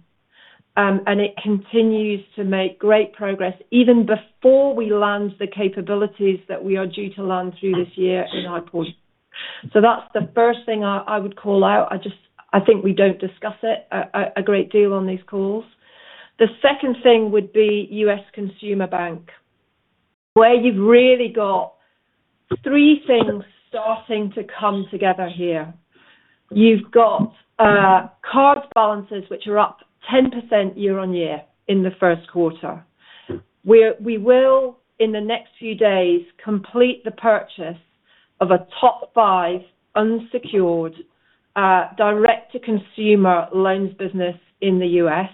and it continues to make great progress even before we land the capabilities that we are due to land through this year in iPortal. So that's the first thing I would call out. I just think we don't discuss it a great deal on these calls. The second thing would be US Consumer Bank, where you've really got three things starting to come together here. You've got card balances, which are up 10% year-over-year in the first quarter. We will, in the next few days, complete the purchase of a top five unsecured direct-to-consumer loans business in the U.S.,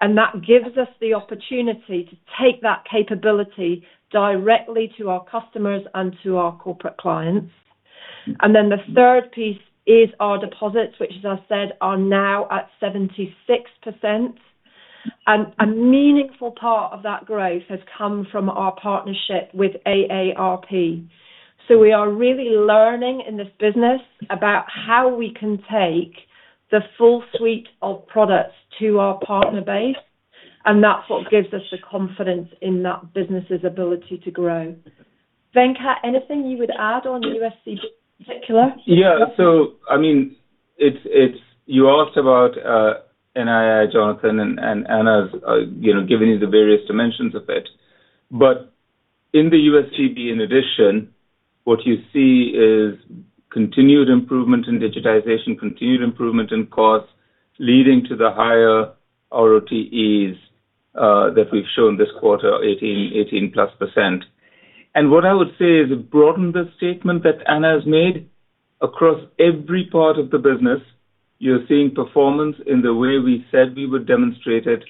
and that gives us the opportunity to take that capability directly to our customers and to our corporate clients. Then the third piece is our deposits, which as I said, are now at 76%. A meaningful part of that growth has come from our partnership with AARP. We are really learning in this business about how we can take the full suite of products to our partner base, and that's what gives us the confidence in that business's ability to grow. Venkat, anything you would add on the USCB in particular? Yeah. I mean, it's you asked about NII, Jonathan, and Anna's you know, given you the various dimensions of it. In the USCB, in addition, what you see is continued improvement in digitization, continued improvement in costs, leading to the higher ROTEs that we've shown this quarter, 18%+. What I would say is it broadened the statement that Anna's made across every part of the business. You're seeing performance in the way we said we would demonstrate it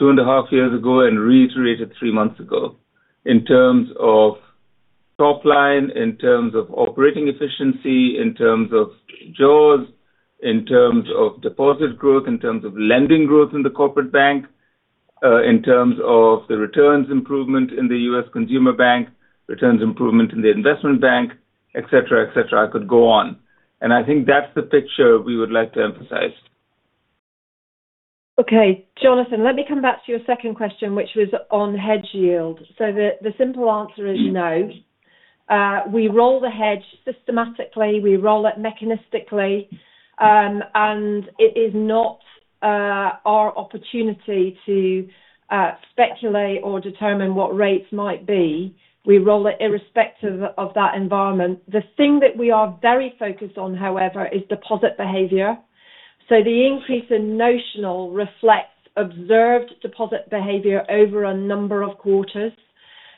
2.5 years ago and reiterated 3 months ago in terms of top line, in terms of operating efficiency, in terms of jaws, in terms of deposit growth, in terms of lending growth in the corporate bank, in terms of the returns improvement in the US Consumer Bank, returns improvement in the investment bank, et cetera. I could go on. I think that's the picture we would like to emphasize. Okay. Jonathan, let me come back to your second question, which was on hedge yield. The simple answer is no. We roll the hedge systematically. We roll it mechanistically. It is not our opportunity to speculate or determine what rates might be. We roll it irrespective of that environment. The thing that we are very focused on, however, is deposit behavior. The increase in notional reflects observed deposit behavior over a number of quarters.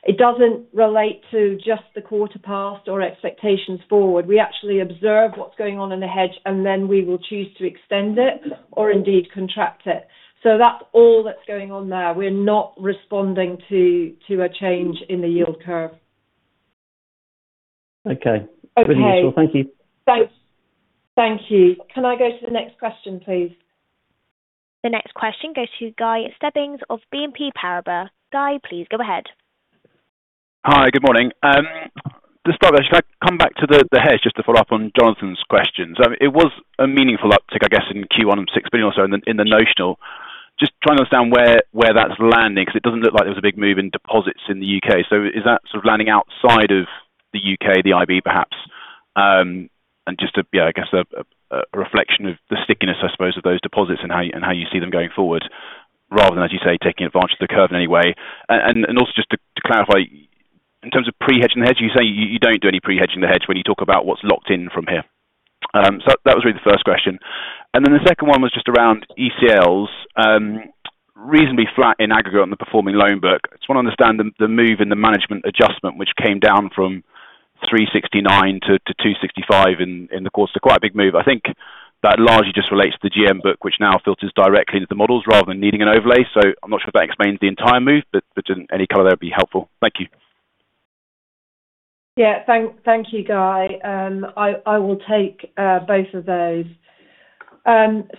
It doesn't relate to just the quarter past or expectations forward. We actually observe what's going on in the hedge, and then we will choose to extend it or indeed contract it. That's all that's going on there. We're not responding to a change in the yield curve. Okay. Okay. Very useful. Thank you. Thanks. Thank you. Can I go to the next question, please? The next question goes to Guy Stebbings of BNP Paribas. Guy, please go ahead. Hi, good morning. To start with, can I come back to the hedge, just to follow up on Jonathan's questions. It was a meaningful uptick, I guess, in Q1 of 6 billion or so in the notional. Just trying to understand where that's landing, 'cause it doesn't look like there was a big move in deposits in the U.K. So is that sort of landing outside of the U.K., the IB perhaps? And just to, yeah, I guess a reflection of the stickiness, I suppose, of those deposits and how you see them going forward, rather than, as you say, taking advantage of the curve in any way. Also just to clarify, in terms of pre-hedging the hedge, you say you don't do any pre-hedging the hedge when you talk about what's locked in from here. That was really the first question. The second one was just around ECLs, reasonably flat in aggregate on the performing loan book. Just wanna understand the move in the management adjustment, which came down from 369 to 265 in the course. It's quite a big move. I think that largely just relates to the GM book, which now filters directly into the models rather than needing an overlay. I'm not sure if that explains the entire move, but just any color there would be helpful. Thank you. Yeah. Thank you, Guy. I will take both of those.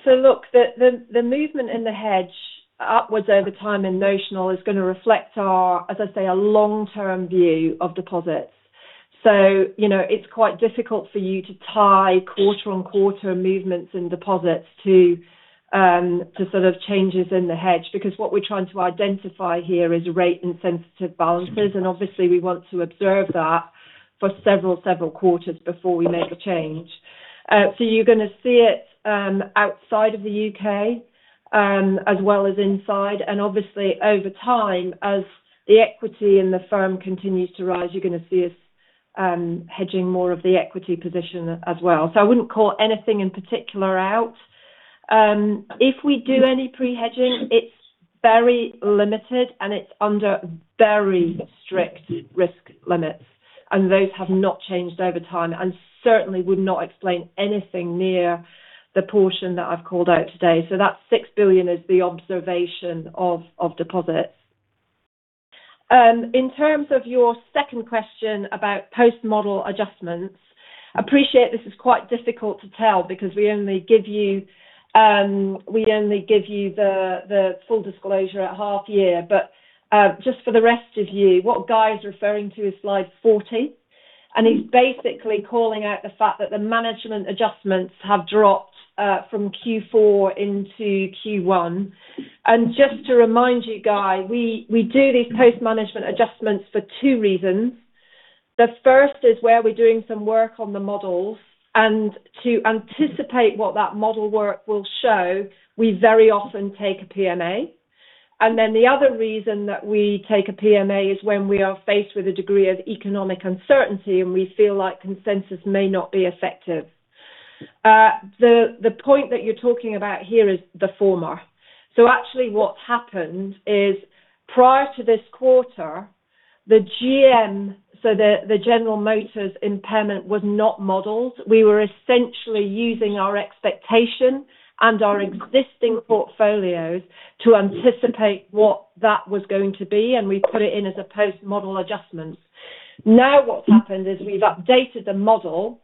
Look, the movement in the hedge upwards over time in notional is gonna reflect our, as I say, our long-term view of deposits. You know, it's quite difficult for you to tie quarter-on-quarter movements in deposits to sort of changes in the hedge, because what we're trying to identify here is rate-insensitive balances. Obviously we want to observe that for several quarters before we make a change. You're gonna see it outside of the U.K. as well as inside. Obviously over time, as the equity in the firm continues to rise, you're gonna see us hedging more of the equity position as well. I wouldn't call anything in particular out. If we do any pre-hedging, it's very limited, and it's under very strict risk limits. Those have not changed over time and certainly would not explain anything near the portion that I've called out today. That 6 billion is the observation of deposits. In terms of your second question about post-model adjustments, I appreciate this is quite difficult to tell because we only give you the full disclosure at half year. Just for the rest of you, what Guy is referring to is slide 40. He's basically calling out the fact that the management adjustments have dropped from Q4 into Q1. Just to remind you, Guy, we do these post-management adjustments for two reasons. The first is where we're doing some work on the models, and to anticipate what that model work will show, we very often take a PMA. Then the other reason that we take a PMA is when we are faced with a degree of economic uncertainty, and we feel like consensus may not be effective. The point that you're talking about here is the former. Actually what happened is prior to this quarter, the GM, so the General Motors impairment was not modeled. We were essentially using our expectation and our existing portfolios to anticipate what that was going to be, and we put it in as a post-model adjustment. Now what's happened is we've updated the model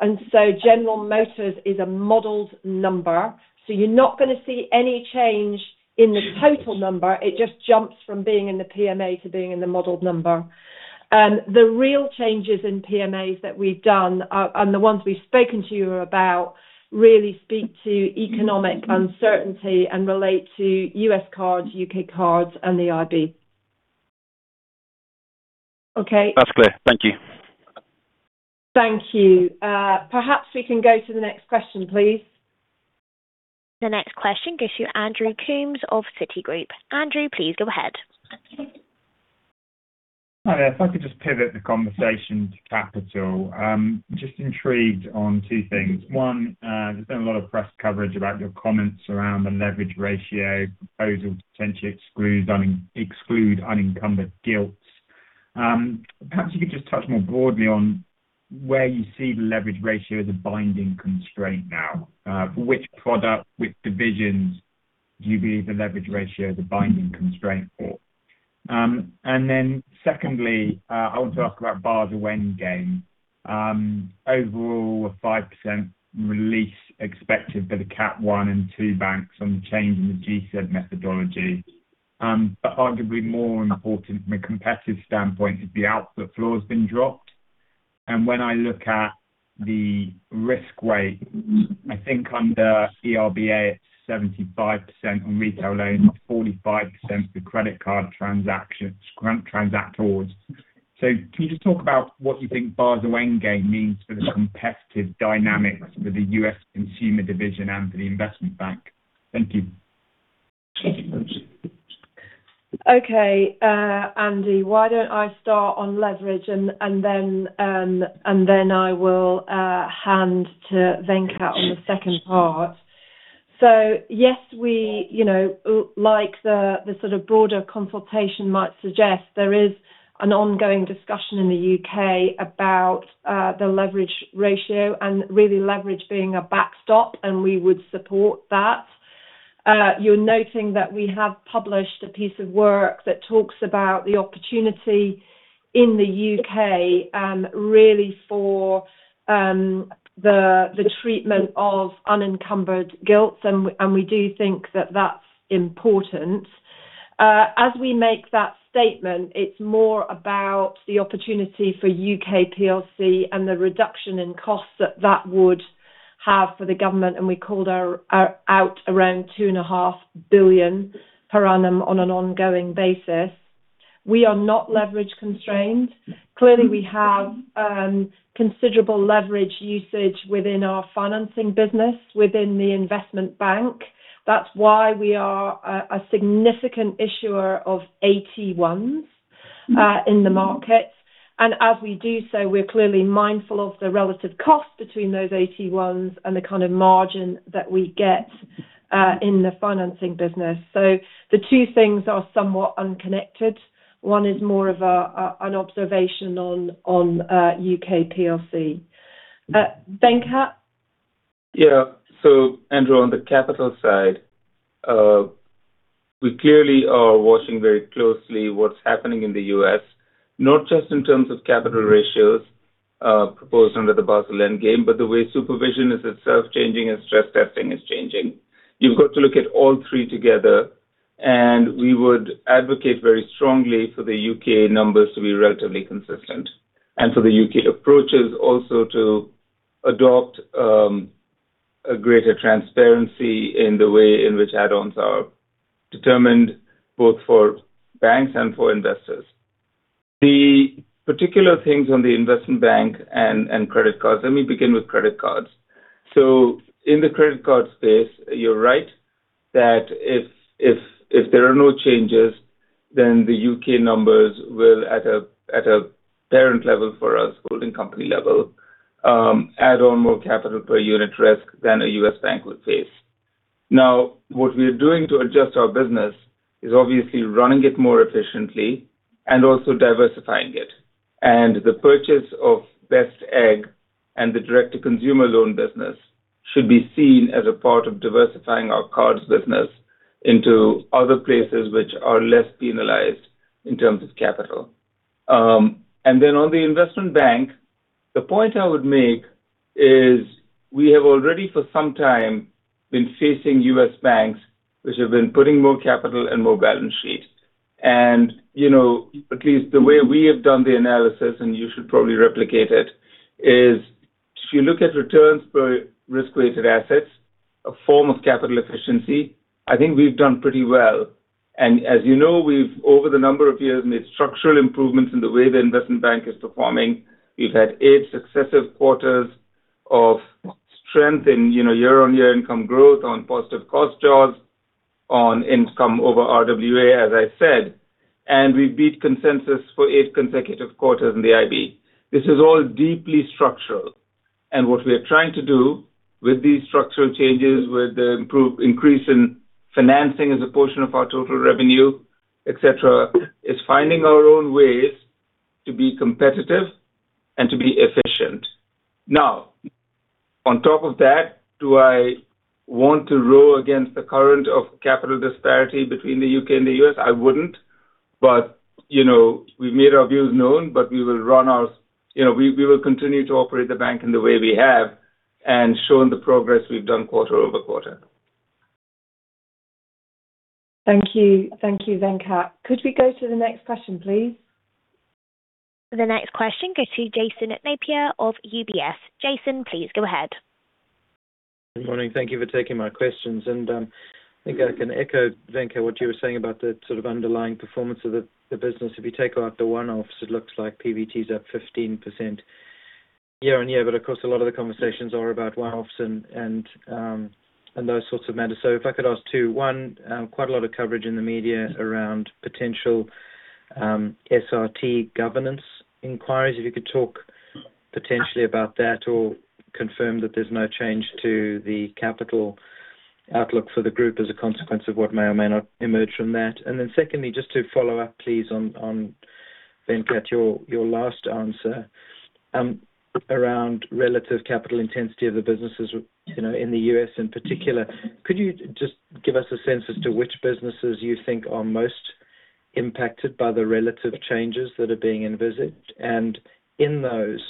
and so General Motors is a modeled number. You're not gonna see any change in the total number. It just jumps from being in the PMA to being in the modeled number. The real changes in PMAs that we've done are, and the ones we've spoken to you about, really speak to economic uncertainty and relate to U.S. cards, U.K. cards, and the IB. Okay. That's clear. Thank you. Thank you. Perhaps we can go to the next question, please. The next question goes to Andrew Coombs of Citigroup. Andrew, please go ahead. Hi there. If I could just pivot the conversation to capital. Just intrigued on two things. One, there's been a lot of press coverage about your comments around the leverage ratio proposal to potentially exclude unencumbered gilts. Perhaps you could just touch more broadly on where you see the leverage ratio as a binding constraint now. Which product, which divisions do you believe the leverage ratio is a binding constraint for? And then secondly, I want to ask about Basel endgame. Overall, a 5% release expected for the Cat one and two banks on the change in the GSIB methodology. But arguably more important from a competitive standpoint is the output floor has been dropped. When I look at the risk weight, I think under CRBA it's 75% on retail loans, but 45% for credit card transactions, transactors. Can you just talk about what you think Basel III endgame means for the competitive dynamics with the US Consumer Bank and for the investment bank? Thank you. Okay. Andy, why don't I start on leverage and then I will hand to Venkat on the second part. Yes, we, you know, like the sort of broader consultation might suggest, there is an ongoing discussion in the U.K. about the leverage ratio and really leverage being a backstop, and we would support that. You're noting that we have published a piece of work that talks about the opportunity in the U.K., really for the treatment of unencumbered gilts, and we do think that that's important. As we make that statement, it's more about the opportunity for U.K. PLC and the reduction in costs that that would have for the government, and we called it out around 2.5 billion per annum on an ongoing basis. We are not leverage constrained. Clearly, we have considerable leverage usage within our financing business within the investment bank. That's why we are a significant issuer of AT1s in the market. We're clearly mindful of the relative cost between those AT1s and the kind of margin that we get in the financing business. The two things are somewhat unconnected. One is more of an observation on UK plc. Venkat. Yeah. Andrew, on the capital side, we clearly are watching very closely what's happening in the U.S., not just in terms of capital ratios proposed under the Basel III endgame, but the way supervision is itself changing and stress testing is changing. You've got to look at all three together, and we would advocate very strongly for the U.K. numbers to be relatively consistent, and for the U.K. approaches also to adopt a greater transparency in the way in which add-ons are determined, both for banks and for investors. The particular things on the investment bank and credit cards. Let me begin with credit cards. In the credit card space, you're right that if there are no changes, then the U.K. numbers will at a parent level for us, holding company level, add on more capital per unit risk than a U.S. bank would face. Now, what we are doing to adjust our business is obviously running it more efficiently and also diversifying it. The purchase of Best Egg and the direct-to-consumer loan business should be seen as a part of diversifying our cards business into other places which are less penalized in terms of capital. On the investment bank, the point I would make is we have already for some time been facing U.S. banks which have been putting more capital and more balance sheets. You know, at least the way we have done the analysis, and you should probably replicate it, is if you look at returns per risk-weighted assets, a form of capital efficiency, I think we've done pretty well. As you know, we've over the number of years made structural improvements in the way the investment bank is performing. We've had 8 successive quarters of strength in, you know, year-on-year income growth on positive cost jaws, on income over RWA, as I said, and we beat consensus for 8 consecutive quarters in the IB. This is all deeply structural. What we are trying to do with these structural changes, with the increase in financing as a portion of our total revenue, et cetera, is finding our own ways to be competitive and to be efficient. Now, on top of that, do I want to row against the current of capital disparity between the U.K. and the U.S.? I wouldn't. You know, we've made our views known. You know, we will continue to operate the bank in the way we have and shown the progress we've done quarter-over-quarter. Thank you. Thank you, Venkat. Could we go to the next question, please? The next question goes to Jason Napier of UBS. Jason, please go ahead. Good morning. Thank you for taking my questions. I think I can echo, Venkat, what you were saying about the sort of underlying performance of the business. If you take out the one-offs, it looks like PBT is up 15% year-on-year, but of course, a lot of the conversations are about one-offs and those sorts of matters. If I could ask two. One, quite a lot of coverage in the media around potential SRT governance inquiries. If you could talk potentially about that or confirm that there's no change to the capital outlook for the group as a consequence of what may or may not emerge from that. Secondly, just to follow up, please on Venkat, your last answer, around relative capital intensity of the businesses, you know, in the U.S. in particular. Could you just give us a sense as to which businesses you think are most impacted by the relative changes that are being envisaged? In those,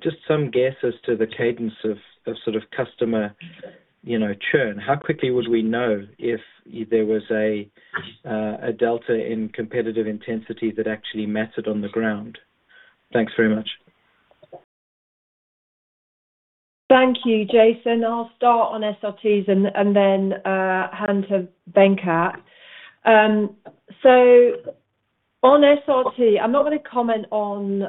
just some guess as to the cadence of sort of customer, you know, churn. How quickly would we know if there was a delta in competitive intensity that actually mattered on the ground? Thanks very much. Thank you, Jason. I'll start on SRTs and then hand to Venkat. On SRT, I'm not gonna comment on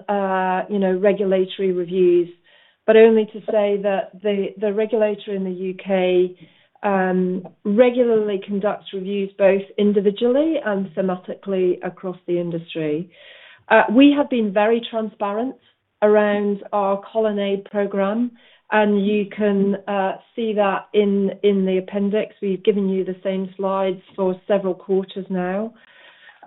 you know, regulatory reviews, but only to say that the regulator in the U.K. regularly conducts reviews both individually and thematically across the industry. We have been very transparent around our Colonnade program, and you can see that in the appendix. We've given you the same slides for several quarters now.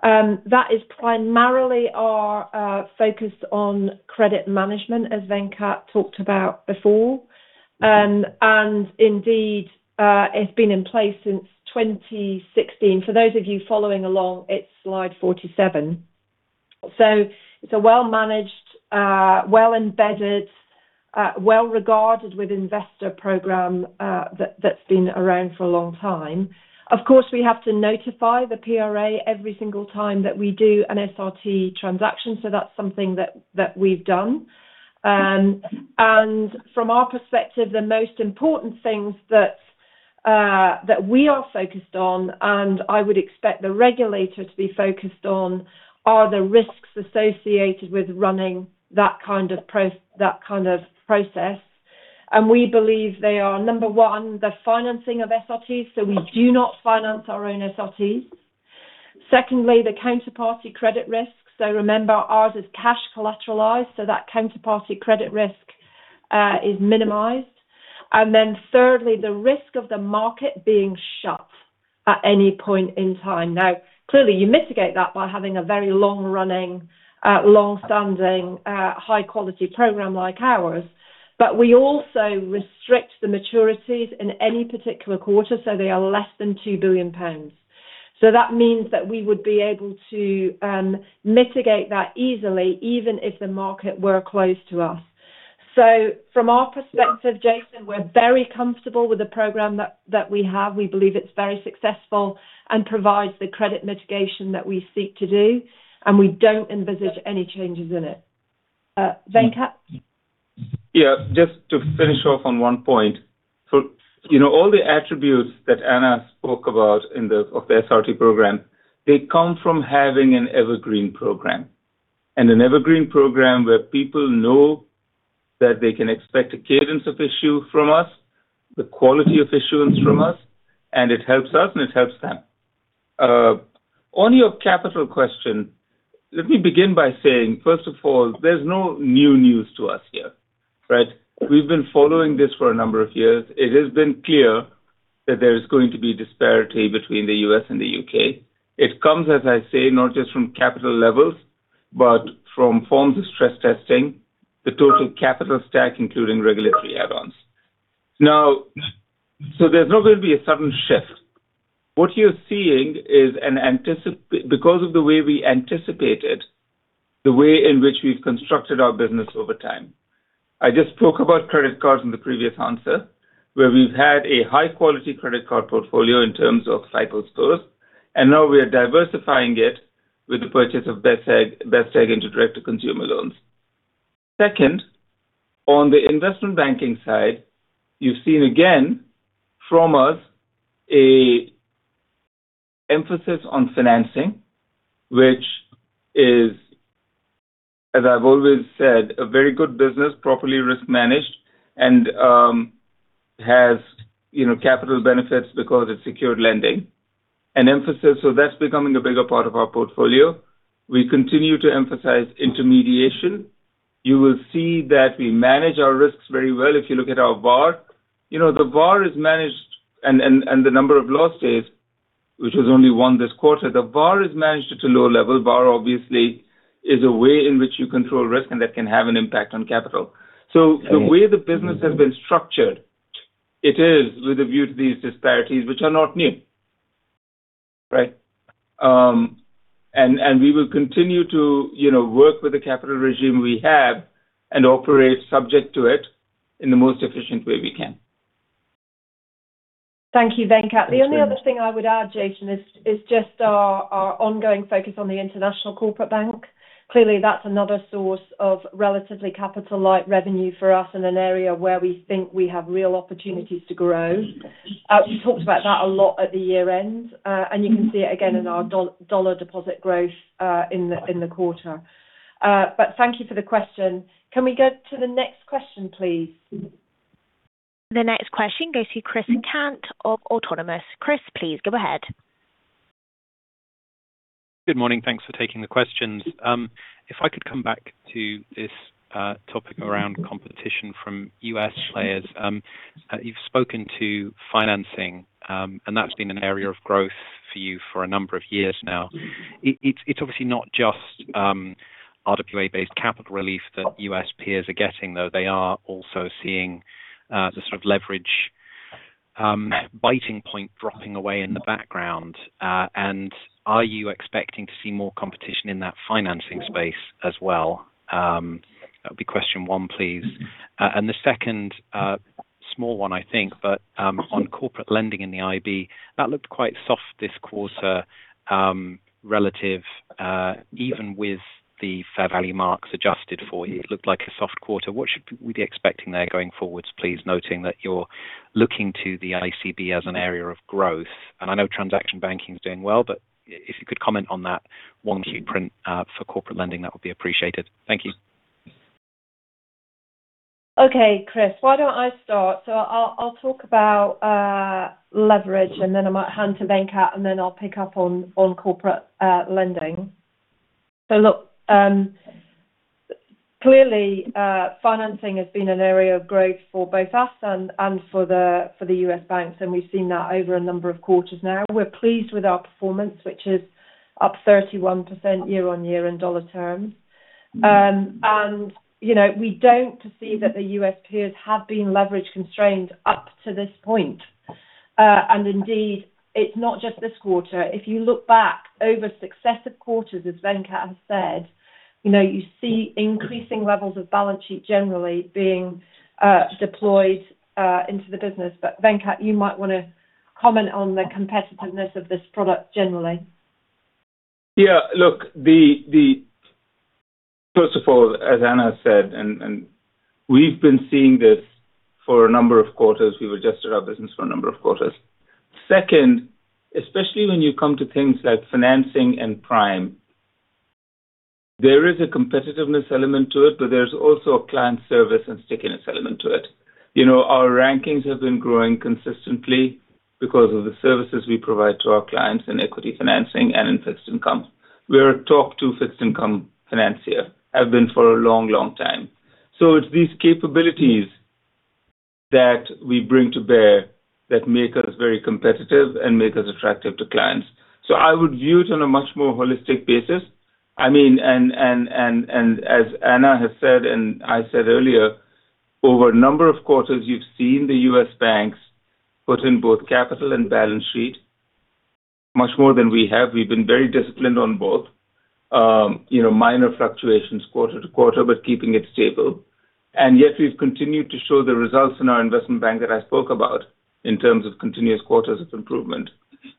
That is primarily our focus on credit management, as Venkat talked about before. Indeed, it's been in place since 2016. For those of you following along, it's slide 47. It's a well-managed, well-embedded, well-regarded with investor program that's been around for a long time. Of course, we have to notify the PRA every single time that we do an SRT transaction, so that's something that we've done. From our perspective, the most important things that we are focused on, and I would expect the regulator to be focused on, are the risks associated with running that kind of process. We believe they are, number one, the financing of SRTs, so we do not finance our own SRTs. Secondly, the counterparty credit risk. Remember, ours is cash collateralized, so that counterparty credit risk is minimized. Then thirdly, the risk of the market being shut at any point in time. Now, clearly, you mitigate that by having a very long-running, long-standing, high-quality program like ours. We also restrict the maturities in any particular quarter, so they are less than 2 billion pounds. That means that we would be able to mitigate that easily even if the market were closed to us. From our perspective, Jason, we're very comfortable with the program that we have. We believe it's very successful and provides the credit mitigation that we seek to do, and we don't envisage any changes in it. Venkat. Yeah. Just to finish off on one point. You know, all the attributes that Anna spoke about of the SRT program, they come from having an evergreen program. An evergreen program where people know that they can expect a cadence of issue from us, the quality of issuance from us, and it helps us, and it helps them. On your capital question, let me begin by saying, first of all, there's no new news to us here, right? We've been following this for a number of years. It has been clear that there is going to be disparity between the U.S. and the U.K. It comes, as I say, not just from capital levels, but from forms of stress testing, the total capital stack, including regulatory add-ons. Now, there's not going to be a sudden shift. What you're seeing is because of the way we anticipated, the way in which we've constructed our business over time. I just spoke about credit cards in the previous answer, where we've had a high-quality credit card portfolio in terms of credit scores, and now we are diversifying it with the purchase of Best Egg into direct consumer loans. Second, on the investment banking side, you've seen again from us a emphasis on financing, which is, as I've always said, a very good business, properly risk managed, and has capital benefits because it's secured lending. An emphasis, so that's becoming a bigger part of our portfolio. We continue to emphasize intermediation. You will see that we manage our risks very well if you look at our VAR. You know, the VAR is managed and the number of loss days, which was only 1 this quarter. The VAR is managed at a low level. VAR obviously is a way in which you control risk, and that can have an impact on capital. The way the business has been structured, it is with a view to these disparities which are not new. Right. We will continue to, you know, work with the capital regime we have and operate subject to it in the most efficient way we can. Thank you, Venkat. The only other thing I would add, Jason, is just our ongoing focus on the International Corporate Bank. Clearly, that's another source of relatively capital-light revenue for us in an area where we think we have real opportunities to grow. We talked about that a lot at the year-end, and you can see it again in our dollar deposit growth in the quarter. Thank you for the question. Can we go to the next question, please? The next question goes to Chris Cant of Autonomous. Chris, please go ahead. Good morning. Thanks for taking the questions. If I could come back to this topic around competition from U.S. players. You've spoken to financing, and that's been an area of growth for you for a number of years now. It's obviously not just RWA-based capital relief that U.S. peers are getting, though they are also seeing the sort of leverage biting point dropping away in the background. Are you expecting to see more competition in that financing space as well? That'll be question one, please. The second small one, I think, but on corporate lending in the IB, that looked quite soft this quarter, relative even with the fair value marks adjusted for you. It looked like a soft quarter. What should we be expecting there going forwards, please, noting that you're looking to the ICB as an area of growth? I know transaction banking is doing well, but if you could comment on that one blueprint for corporate lending, that would be appreciated. Thank you. Okay, Chris. Why don't I start? I'll talk about leverage, and then I might hand to Venkat, and then I'll pick up on corporate lending. Look, clearly, financing has been an area of growth for both us and for the U.S. banks, and we've seen that over a number of quarters now. We're pleased with our performance, which is up 31% year-over-year in dollar terms. You know, we don't see that the U.S. peers have been leverage constrained up to this point. Indeed, it's not just this quarter. If you look back over successive quarters, as Venkat has said, you know, you see increasing levels of balance sheet generally being deployed into the business. Venkat, you might wanna comment on the competitiveness of this product generally. First of all, as Anna said, and we've been seeing this for a number of quarters. We've adjusted our business for a number of quarters. Second, especially when you come to things like financing and prime, there is a competitiveness element to it, but there's also a client service and stickiness element to it. You know, our rankings have been growing consistently because of the services we provide to our clients in equity financing and in fixed income. We're a top two fixed income financier, have been for a long, long time. It's these capabilities that we bring to bear that make us very competitive and make us attractive to clients. I would view it on a much more holistic basis. I mean, as Anna has said and I said earlier, over a number of quarters, you've seen the U.S. banks put in both capital and balance sheet much more than we have. We've been very disciplined on both. You know, minor fluctuations quarter to quarter, but keeping it stable. Yet we've continued to show the results in our investment bank that I spoke about in terms of continuous quarters of improvement.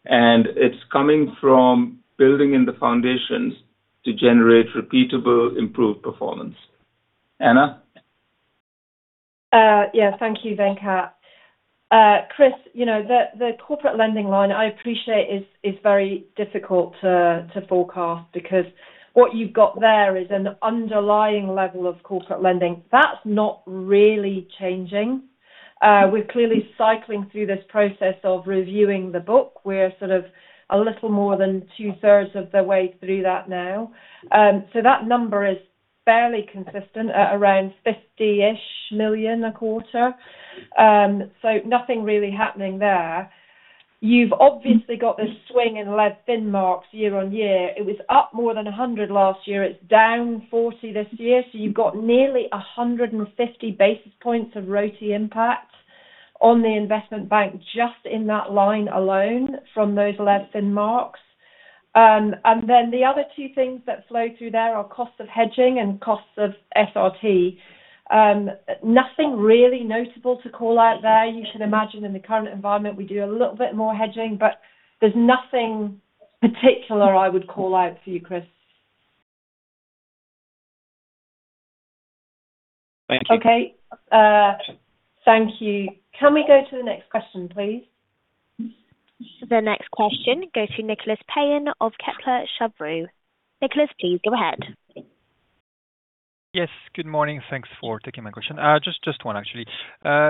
It's coming from building in the foundations to generate repeatable, improved performance. Anna? Yeah, thank you, Venkat. Chris, you know the corporate lending line I appreciate is very difficult to forecast because what you've got there is an underlying level of corporate lending. That's not really changing. We're clearly cycling through this process of reviewing the book. We're sort of a little more than two-thirds of the way through that now. So that number is fairly consistent at around 50 million a quarter. Nothing really happening there. You've obviously got this swing in loan loss marks year-over-year. It was up more than 100 million last year. It's down 40 million this year. You've got nearly 150 basis points of ROTE impact on the investment bank just in that line alone from those loan loss marks. The other two things that flow through there are cost of hedging and cost of SRT. Nothing really notable to call out there. You can imagine in the current environment, we do a little bit more hedging, but there's nothing particular I would call out for you, Chris. Thank you. Okay. Thank you. Can we go to the next question, please? The next question goes to Nicolas Payen of Kepler Cheuvreux. Nicolas, please go ahead. Yes, good morning. Thanks for taking my question. Just one, actually.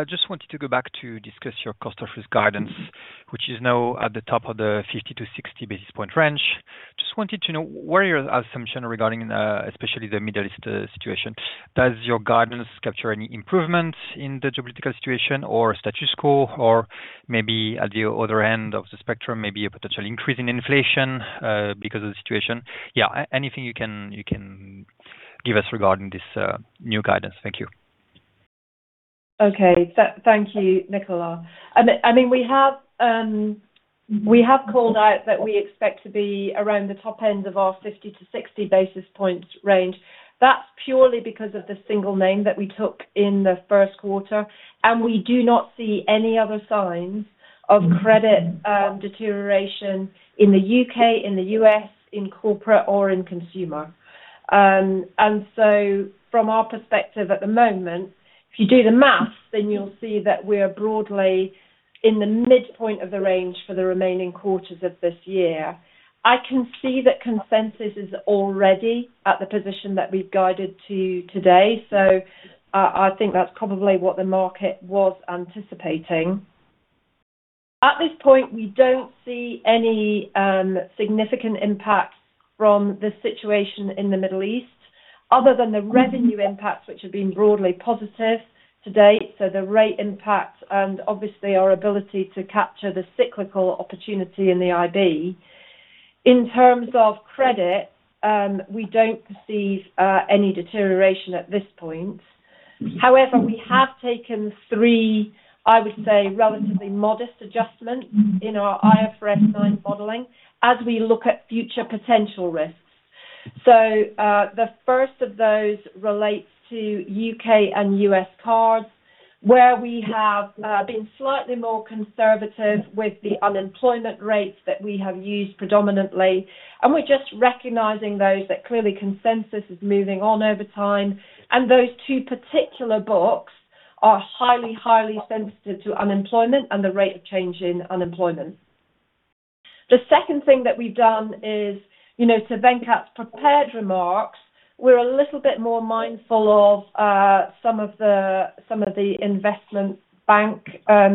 Just wanted to go back to discuss your cost of risk guidance, which is now at the top of the 50-60 basis point range. Just wanted to know, where are your assumptions regarding especially the Middle East situation? Does your guidance capture any improvements in the geopolitical situation or status quo or maybe at the other end of the spectrum, maybe a potential increase in inflation because of the situation? Yeah, anything you can give us regarding this new guidance. Thank you. Okay. Thank you, Nicolas. I mean, we have called out that we expect to be around the top end of our 50-60 basis points range. That's purely because of the single name that we took in the first quarter, and we do not see any other signs of credit deterioration in the U.K., in the U.S., in corporate or in consumer. From our perspective at the moment, if you do the math, then you'll see that we are broadly in the midpoint of the range for the remaining quarters of this year. I can see that consensus is already at the position that we've guided to today. I think that's probably what the market was anticipating. At this point, we don't see any significant impact from the situation in the Middle East other than the revenue impacts which have been broadly positive to date, so the rate impacts and obviously our ability to capture the cyclical opportunity in the IB. In terms of credit, we don't perceive any deterioration at this point. However, we have taken three, I would say, relatively modest adjustments in our IFRS 9 modeling as we look at future potential risks. The first of those relates to U.K. and U.S. cards, where we have been slightly more conservative with the unemployment rates that we have used predominantly, and we're just recognizing those that clearly consensus is moving on over time. Those two particular books are highly sensitive to unemployment and the rate of change in unemployment. The second thing that we've done is, you know, to Venkat's prepared remarks, we're a little bit more mindful of some of the investment bank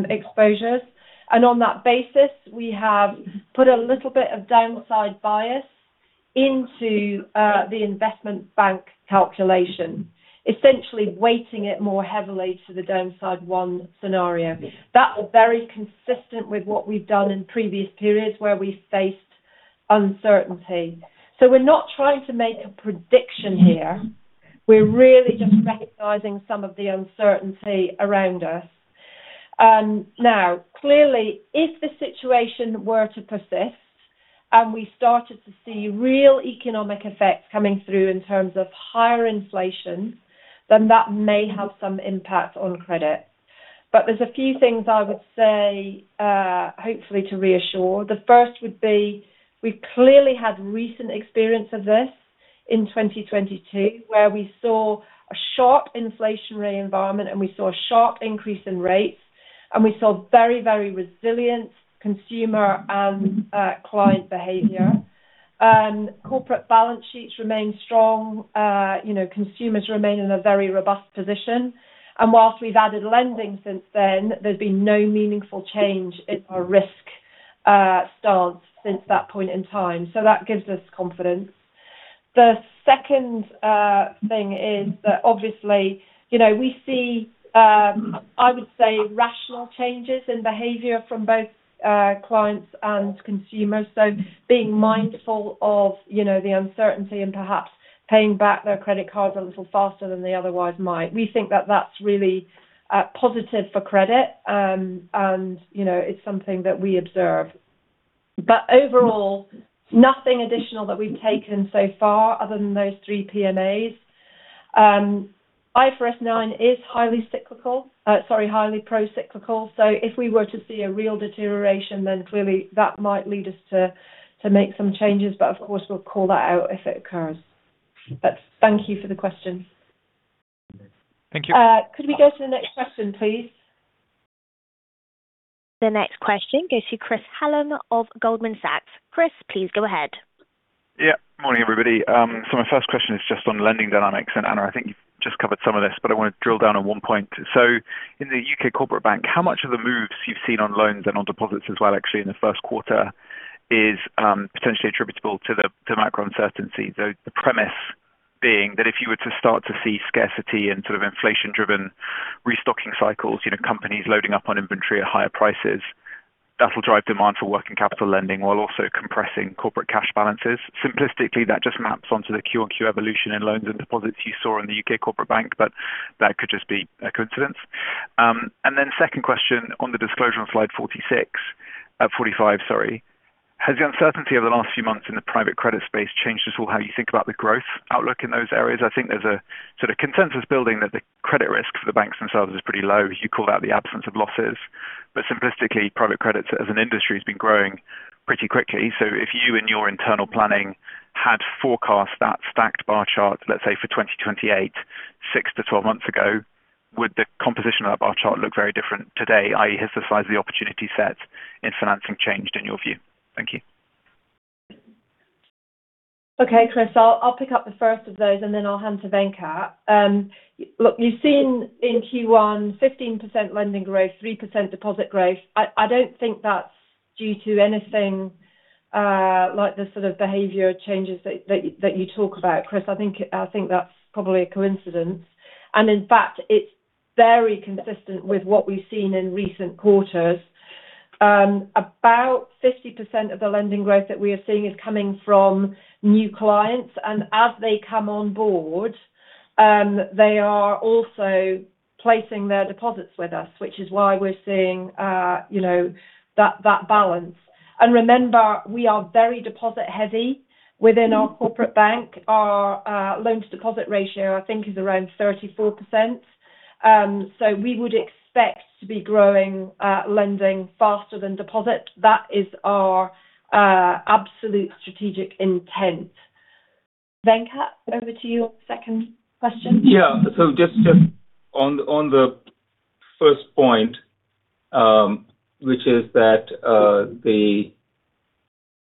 exposures. On that basis, we have put a little bit of downside bias into the investment bank calculation, essentially weighting it more heavily to the downside one scenario. That is very consistent with what we've done in previous periods where we faced uncertainty. We're not trying to make a prediction here. We're really just recognizing some of the uncertainty around us. Now, clearly, if the situation were to persist and we started to see real economic effects coming through in terms of higher inflation, then that may have some impact on credit. There's a few things I would say, hopefully to reassure. The first would be we clearly had recent experience of this in 2022, where we saw a sharp inflationary environment and we saw a sharp increase in rates, and we saw very, very resilient consumer and client behavior. Corporate balance sheets remain strong. You know, consumers remain in a very robust position. Whilst we've added lending since then, there's been no meaningful change in our risk stance since that point in time. That gives us confidence. The second thing is that obviously, you know, we see I would say rational changes in behavior from both clients and consumers. Being mindful of, you know, the uncertainty and perhaps paying back their credit cards a little faster than they otherwise might. We think that that's really positive for credit, and you know, it's something that we observe. Overall, nothing additional that we've taken so far other than those three PMAs. IFRS 9 is highly pro-cyclical, so if we were to see a real deterioration, then clearly that might lead us to make some changes. Of course, we'll call that out if it occurs. Thank you for the question. Thank you. Could we go to the next question, please? The next question goes to Chris Hallam of Goldman Sachs. Chris, please go ahead. Morning, everybody. My first question is just on lending dynamics. Anna, I think you've just covered some of this, but I want to drill down on one point. In the UK Corporate Bank, how much of the moves you've seen on loans and on deposits as well actually in the first quarter is potentially attributable to the macro uncertainty? The premise being that if you were to start to see scarcity and sort of inflation driven restocking cycles, you know, companies loading up on inventory at higher prices, that will drive demand for working capital lending while also compressing corporate cash balances. Simplistically, that just maps onto the Q-on-Q evolution in loans and deposits you saw in the UK Corporate Bank, but that could just be a coincidence. Second question on the disclosure on slide 46, 45, sorry. Has the uncertainty over the last few months in the private credit space changed at all how you think about the growth outlook in those areas? I think there's a sort of consensus building that the credit risk for the banks themselves is pretty low. You call that the absence of losses. Simplistically, private credits as an industry has been growing pretty quickly. If you in your internal planning had forecast that stacked bar chart, let's say for 2028, 6-12 months ago, would the composition of that bar chart look very different today, i.e. has the size of the opportunity set in financing changed in your view? Thank you. Okay, Chris. I'll pick up the first of those and then I'll hand to Venkat. Look, you've seen in Q1 15% lending growth, 3% deposit growth. I don't think that's due to anything like the sort of behavior changes that you talk about, Chris. I think that's probably a coincidence. In fact it's very consistent with what we've seen in recent quarters. About 50% of the lending growth that we are seeing is coming from new clients, and as they come on board, they are also placing their deposits with us, which is why we're seeing you know, that balance. Remember, we are very deposit heavy within our corporate bank. Our loans deposit ratio I think is around 34%. We would expect to be growing lending faster than deposit. That is our absolute strategic intent. Venkat, over to you. Second question. Just on the first point, which is that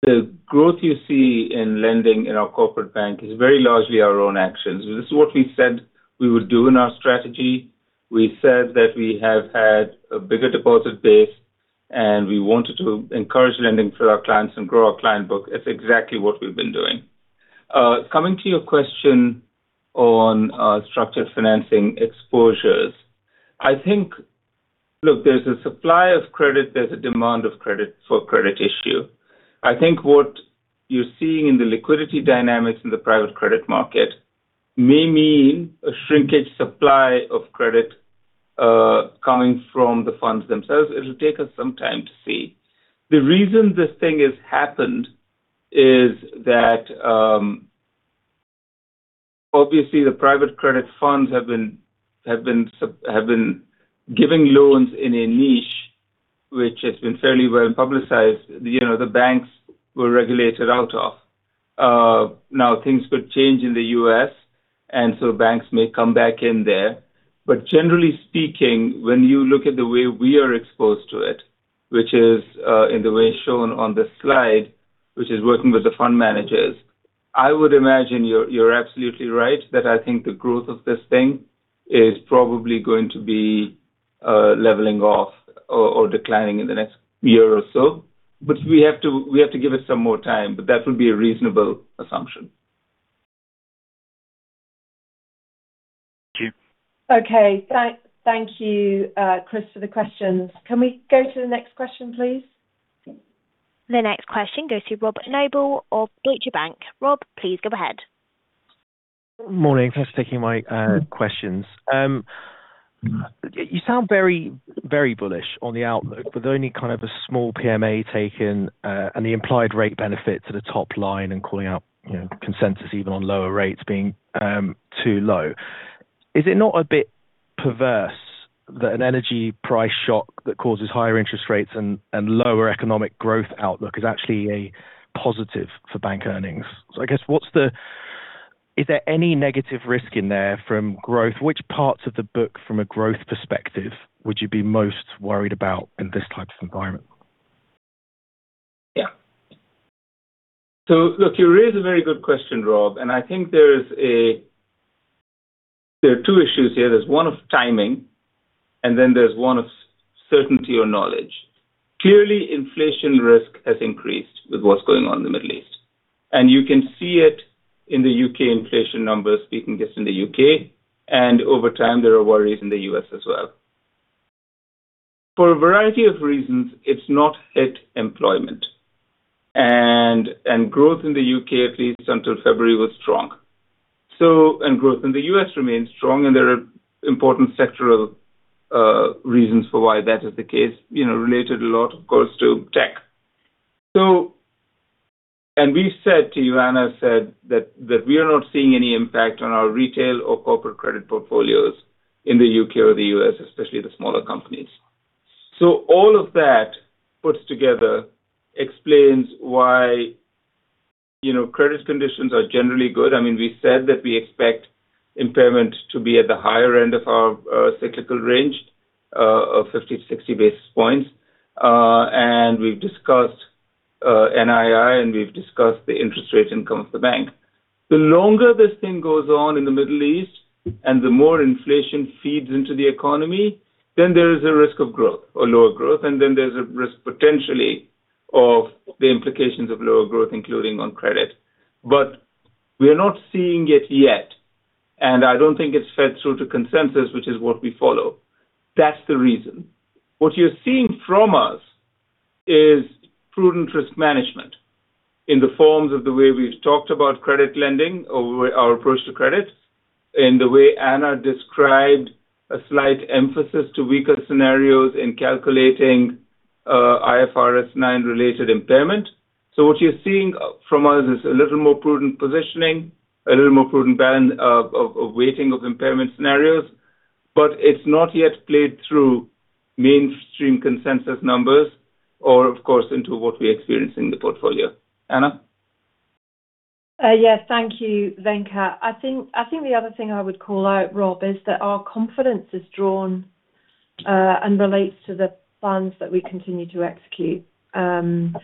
the growth you see in lending in our corporate bank is very largely our own actions. This is what we said we would do in our strategy. We said that we have had a bigger deposit base, and we wanted to encourage lending for our clients and grow our client book. It's exactly what we've been doing. Coming to your question on structured financing exposures. I think. Look, there's a supply of credit, there's a demand of credit for credit issue. I think what you're seeing in the liquidity dynamics in the private credit market may mean a shrinking supply of credit coming from the funds themselves. It'll take us some time to see. The reason this thing has happened is that, obviously the private credit funds have been giving loans in a niche which has been fairly well publicised. You know, the banks were regulated out of. Now things could change in the U.S., and so banks may come back in there. But generally speaking, when you look at the way we are exposed to it, which is in the way shown on this slide, which is working with the fund managers, I would imagine you're absolutely right that I think the growth of this thing is probably going to be leveling off or declining in the next year or so. But we have to give it some more time, but that would be a reasonable assumption. Thank you. Okay. Thank you, Chris, for the questions. Can we go to the next question, please? The next question goes to Rob Noble of Deutsche Bank. Rob, please go ahead. Morning. Thanks for taking my questions. You sound very, very bullish on the outlook, with only kind of a small PMA taken, and the implied rate benefit to the top line and calling out, you know, consensus even on lower rates being too low. Is it not a bit perverse that an energy price shock that causes higher interest rates and lower economic growth outlook is actually a positive for bank earnings? I guess what's the. Is there any negative risk in there from growth? Which parts of the book from a growth perspective would you be most worried about in this type of environment? Yeah. Look, you raise a very good question, Rob, and I think there are two issues here. There's one of timing, and then there's one of certainty or knowledge. Clearly, inflation risk has increased with what's going on in the Middle East. You can see it in the U.K. inflation numbers, speaking just in the U.K., and over time, there are worries in the U.S. as well. For a variety of reasons, it's not hit employment. Growth in the U.K., at least until February, was strong. Growth in the U.S. remains strong, and there are important sectoral reasons for why that is the case, you know, related a lot, of course, to tech. We said to you, Anna said that we are not seeing any impact on our retail or corporate credit portfolios in the U.K. or the U.S., especially the smaller companies. All of that put together explains why, you know, credit conditions are generally good. I mean, we said that we expect impairment to be at the higher end of our cyclical range of 50-60 basis points. We've discussed NII, and we've discussed the interest rate income of the bank. The longer this thing goes on in the Middle East, and the more inflation feeds into the economy, then there is a risk of growth or lower growth, and then there's a risk potentially of the implications of lower growth, including on credit. We are not seeing it yet, and I don't think it's fed through to consensus, which is what we follow. That's the reason. What you're seeing from us is prudent risk management in the forms of the way we've talked about credit lending or our approach to credit, in the way Anna described a slight emphasis to weaker scenarios in calculating, IFRS 9 related impairment. What you're seeing from us is a little more prudent positioning, a little more prudent balance of weighting of impairment scenarios, but it's not yet played through mainstream consensus numbers or of course into what we experience in the portfolio. Anna. Yes. Thank you, Venkat. I think the other thing I would call out, Rob, is that our confidence is drawn and relates to the plans that we continue to execute. And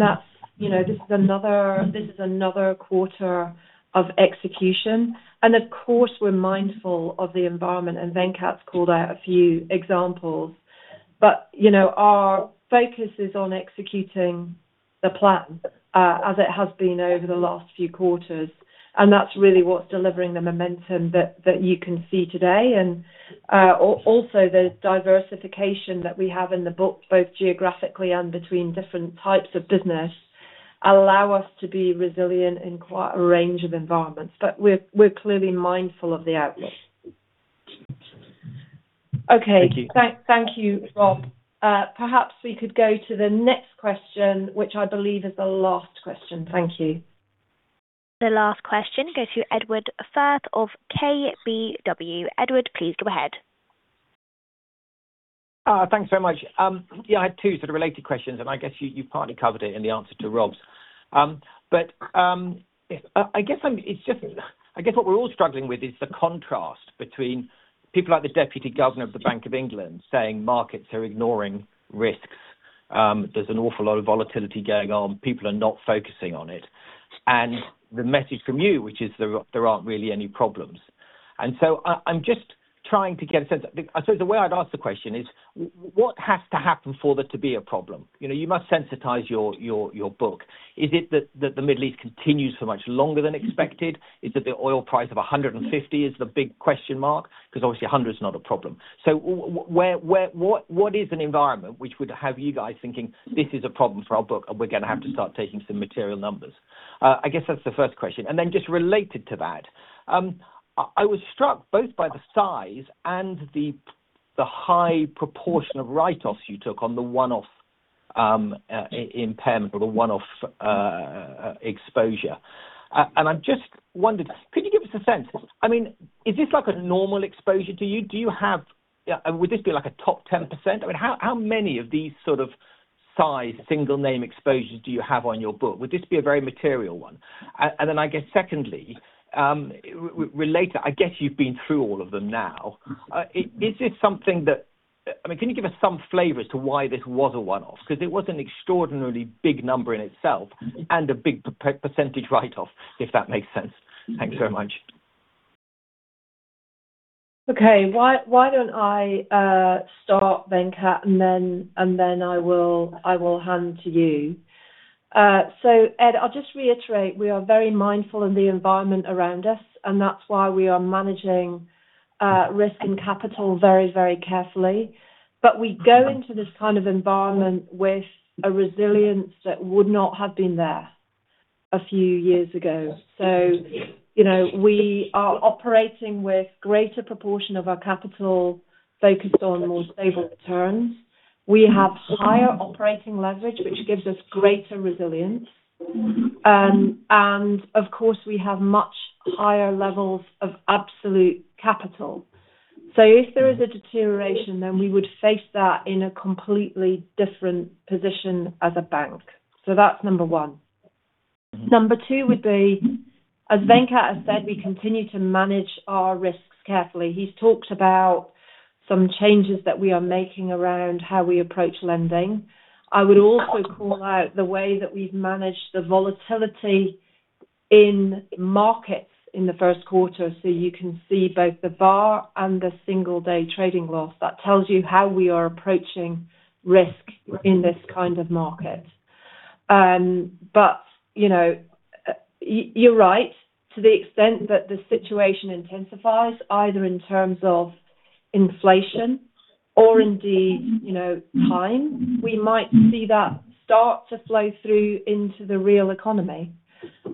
that's, you know, this is another quarter of execution. Of course, we're mindful of the environment, and Venkat's called out a few examples. But, you know, our focus is on executing the plan, as it has been over the last few quarters, and that's really what's delivering the momentum that you can see today. Also the diversification that we have in the books, both geographically and between different types of business, allow us to be resilient in quite a range of environments. But we're clearly mindful of the outlook. Okay. Thank you. Thank you, Rob. Perhaps we could go to the next question, which I believe is the last question. Thank you. The last question goes to Edward Firth of KBW. Edward, please go ahead. Thanks very much. Yeah, I had two sort of related questions, and I guess you partly covered it in the answer to Rob's. But I guess it's just I guess what we're all struggling with is the contrast between people like the Deputy Governor of the Bank of England saying markets are ignoring risks. There's an awful lot of volatility going on. People are not focusing on it. The message from you, which is there aren't really any problems. So I'm just trying to get a sense. The way I'd ask the question is, what has to happen for there to be a problem? You know, you must sensitize your book. Is it that the Middle East continues for much longer than expected? Is it the oil price of 150 is the big question mark? 'Cause obviously 100 is not a problem. What is an environment which would have you guys thinking, "This is a problem for our book, and we're gonna have to start taking some material numbers"? I guess that's the first question. Then just related to that, I was struck both by the size and the high proportion of write-offs you took on the one-off impairment or the one-off exposure. I just wondered, could you give us a sense? I mean, is this like a normal exposure to you? Would this be like a top 10%? I mean, how many of these sort of size single name exposures do you have on your book? Would this be a very material one? I guess secondly, related, I guess you've been through all of them now. I mean, can you give us some flavor as to why this was a one-off? 'Cause it was an extraordinarily big number in itself and a big percentage write-off, if that makes sense. Thank you very much. Okay. Why don't I start, Venkat, and then I will hand to you. Ed, I'll just reiterate, we are very mindful of the environment around us, and that's why we are managing risk and capital very, very carefully. We go into this kind of environment with a resilience that would not have been there a few years ago. You know, we are operating with greater proportion of our capital focused on more stable returns. We have higher operating leverage, which gives us greater resilience. Of course, we have much higher levels of absolute capital. If there is a deterioration, then we would face that in a completely different position as a bank. That's number one. Number two would be, as Venkat has said, we continue to manage our risks carefully. He's talked about some changes that we are making around how we approach lending. I would also call out the way that we've managed the volatility in markets in the first quarter, so you can see both the VaR and the single-day trading loss. That tells you how we are approaching risk in this kind of market. You're right to the extent that the situation intensifies, either in terms of inflation or indeed time, we might see that start to flow through into the real economy.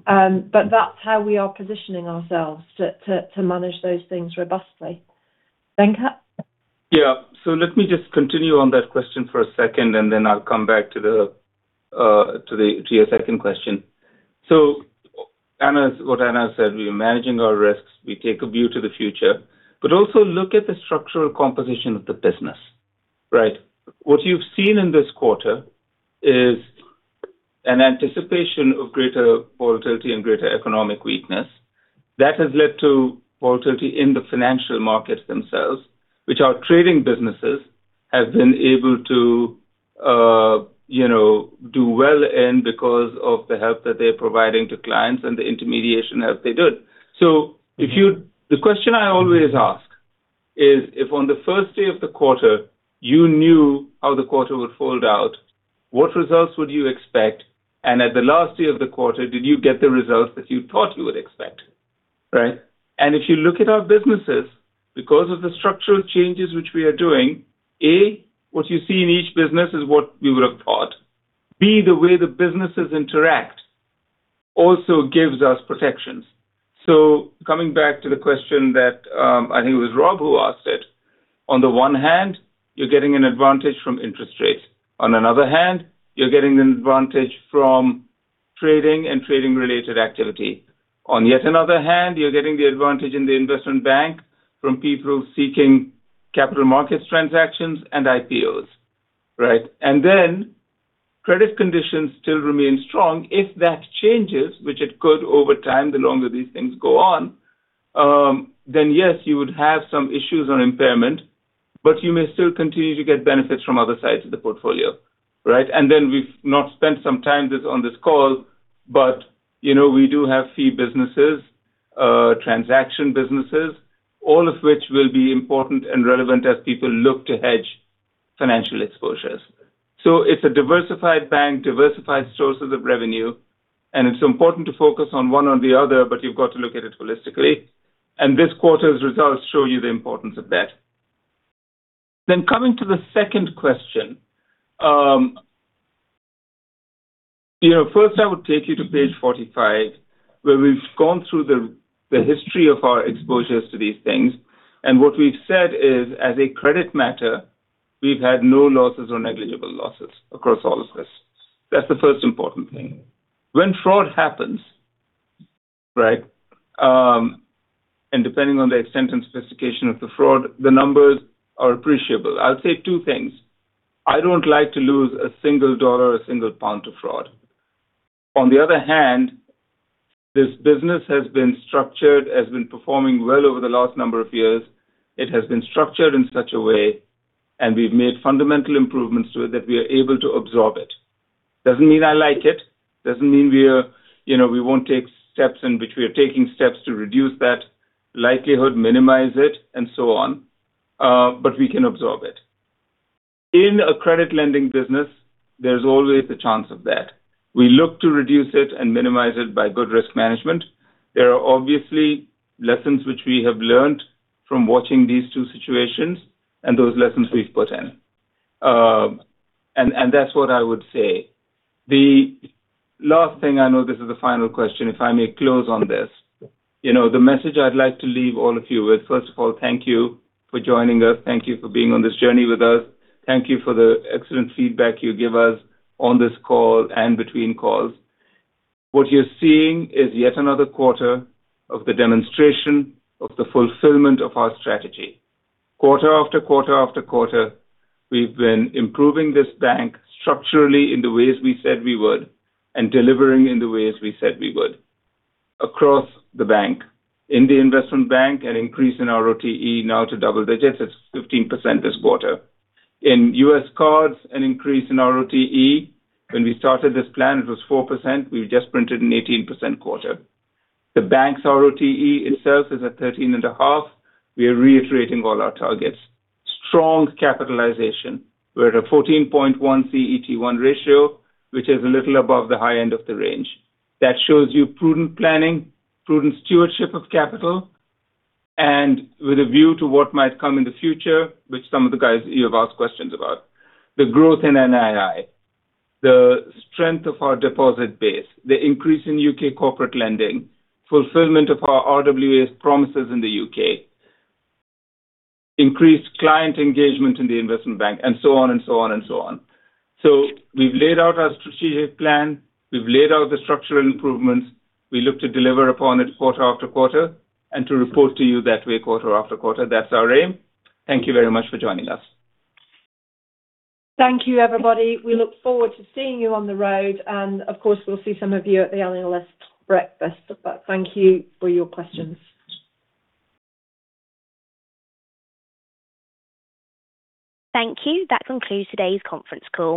That's how we are positioning ourselves to manage those things robustly. Venkat? Yeah. Let me just continue on that question for a second, and then I'll come back to your second question. What Anna said, we are managing our risks. We take a view to the future, but also look at the structural composition of the business, right? What you've seen in this quarter is an anticipation of greater volatility and greater economic weakness. That has led to volatility in the financial markets themselves, which our trading businesses have been able to, you know, do well in because of the help that they're providing to clients and the intermediation help they did. The question I always ask is if on the first day of the quarter you knew how the quarter would fold out, what results would you expect? At the last day of the quarter, did you get the results that you thought you would expect, right? If you look at our businesses, because of the structural changes which we are doing, A, what you see in each business is what you would have thought. B, the way the businesses interact also gives us protections. Coming back to the question that, I think it was Rob who asked it. On the one hand, you're getting an advantage from interest rates. On another hand, you're getting an advantage from trading and trading related activity. On yet another hand, you're getting the advantage in the investment bank from people seeking capital markets transactions and IPOs, right? Then credit conditions still remain strong. If that changes, which it could over time, the longer these things go on, then yes, you would have some issues on impairment, but you may still continue to get benefits from other sides of the portfolio, right? We've not spent some time on this call, but you know, we do have fee businesses, transaction businesses, all of which will be important and relevant as people look to hedge financial exposures. It's a diversified bank, diversified sources of revenue, and it's important to focus on one or the other, but you've got to look at it holistically. This quarter's results show you the importance of that. Coming to the second question, you know, first I would take you to page 45, where we've gone through the history of our exposures to these things. What we've said is, as a credit matter, we've had no losses or negligible losses across all of this. That's the first important thing. When fraud happens, right, and depending on the extent and sophistication of the fraud, the numbers are appreciable. I'll say two things. I don't like to lose a single dollar or a single pound to fraud. On the other hand, this business has been structured, has been performing well over the last number of years. It has been structured in such a way, and we've made fundamental improvements to it, that we are able to absorb it. Doesn't mean I like it. Doesn't mean we're, you know, we won't take steps in which we are taking steps to reduce that likelihood, minimize it, and so on. But we can absorb it. In a credit lending business, there's always a chance of that. We look to reduce it and minimize it by good risk management. There are obviously lessons which we have learned from watching these two situations and those lessons we've put in. And that's what I would say. The last thing, I know this is the final question, if I may close on this. You know, the message I'd like to leave all of you with, first of all, thank you for joining us. Thank you for being on this journey with us. Thank you for the excellent feedback you give us on this call and between calls. What you're seeing is yet another quarter of the demonstration of the fulfillment of our strategy. Quarter after quarter after quarter, we've been improving this bank structurally in the ways we said we would and delivering in the ways we said we would across the bank. In the investment bank, an increase in ROTE now to double digits. It's 15% this quarter. In US cards, an increase in ROTE. When we started this plan, it was 4%. We've just printed an 18% quarter. The bank's ROTE itself is at 13.5%. We are reiterating all our targets. Strong capitalization. We're at a 14.1 CET1 ratio, which is a little above the high end of the range. That shows you prudent planning, prudent stewardship of capital, and with a view to what might come in the future, which some of the guys you have asked questions about. The growth in NII, the strength of our deposit base, the increase in UK corporate lending, fulfillment of our RWA promises in the U.K., increased client engagement in the investment bank, and so on. We've laid out our strategic plan. We've laid out the structural improvements. We look to deliver upon it quarter after quarter and to report to you that way quarter after quarter. That's our aim. Thank you very much for joining us. Thank you, everybody. We look forward to seeing you on the road. Of course, we'll see some of you at the analyst breakfast. Thank you for your questions. Thank you. That concludes today's conference call.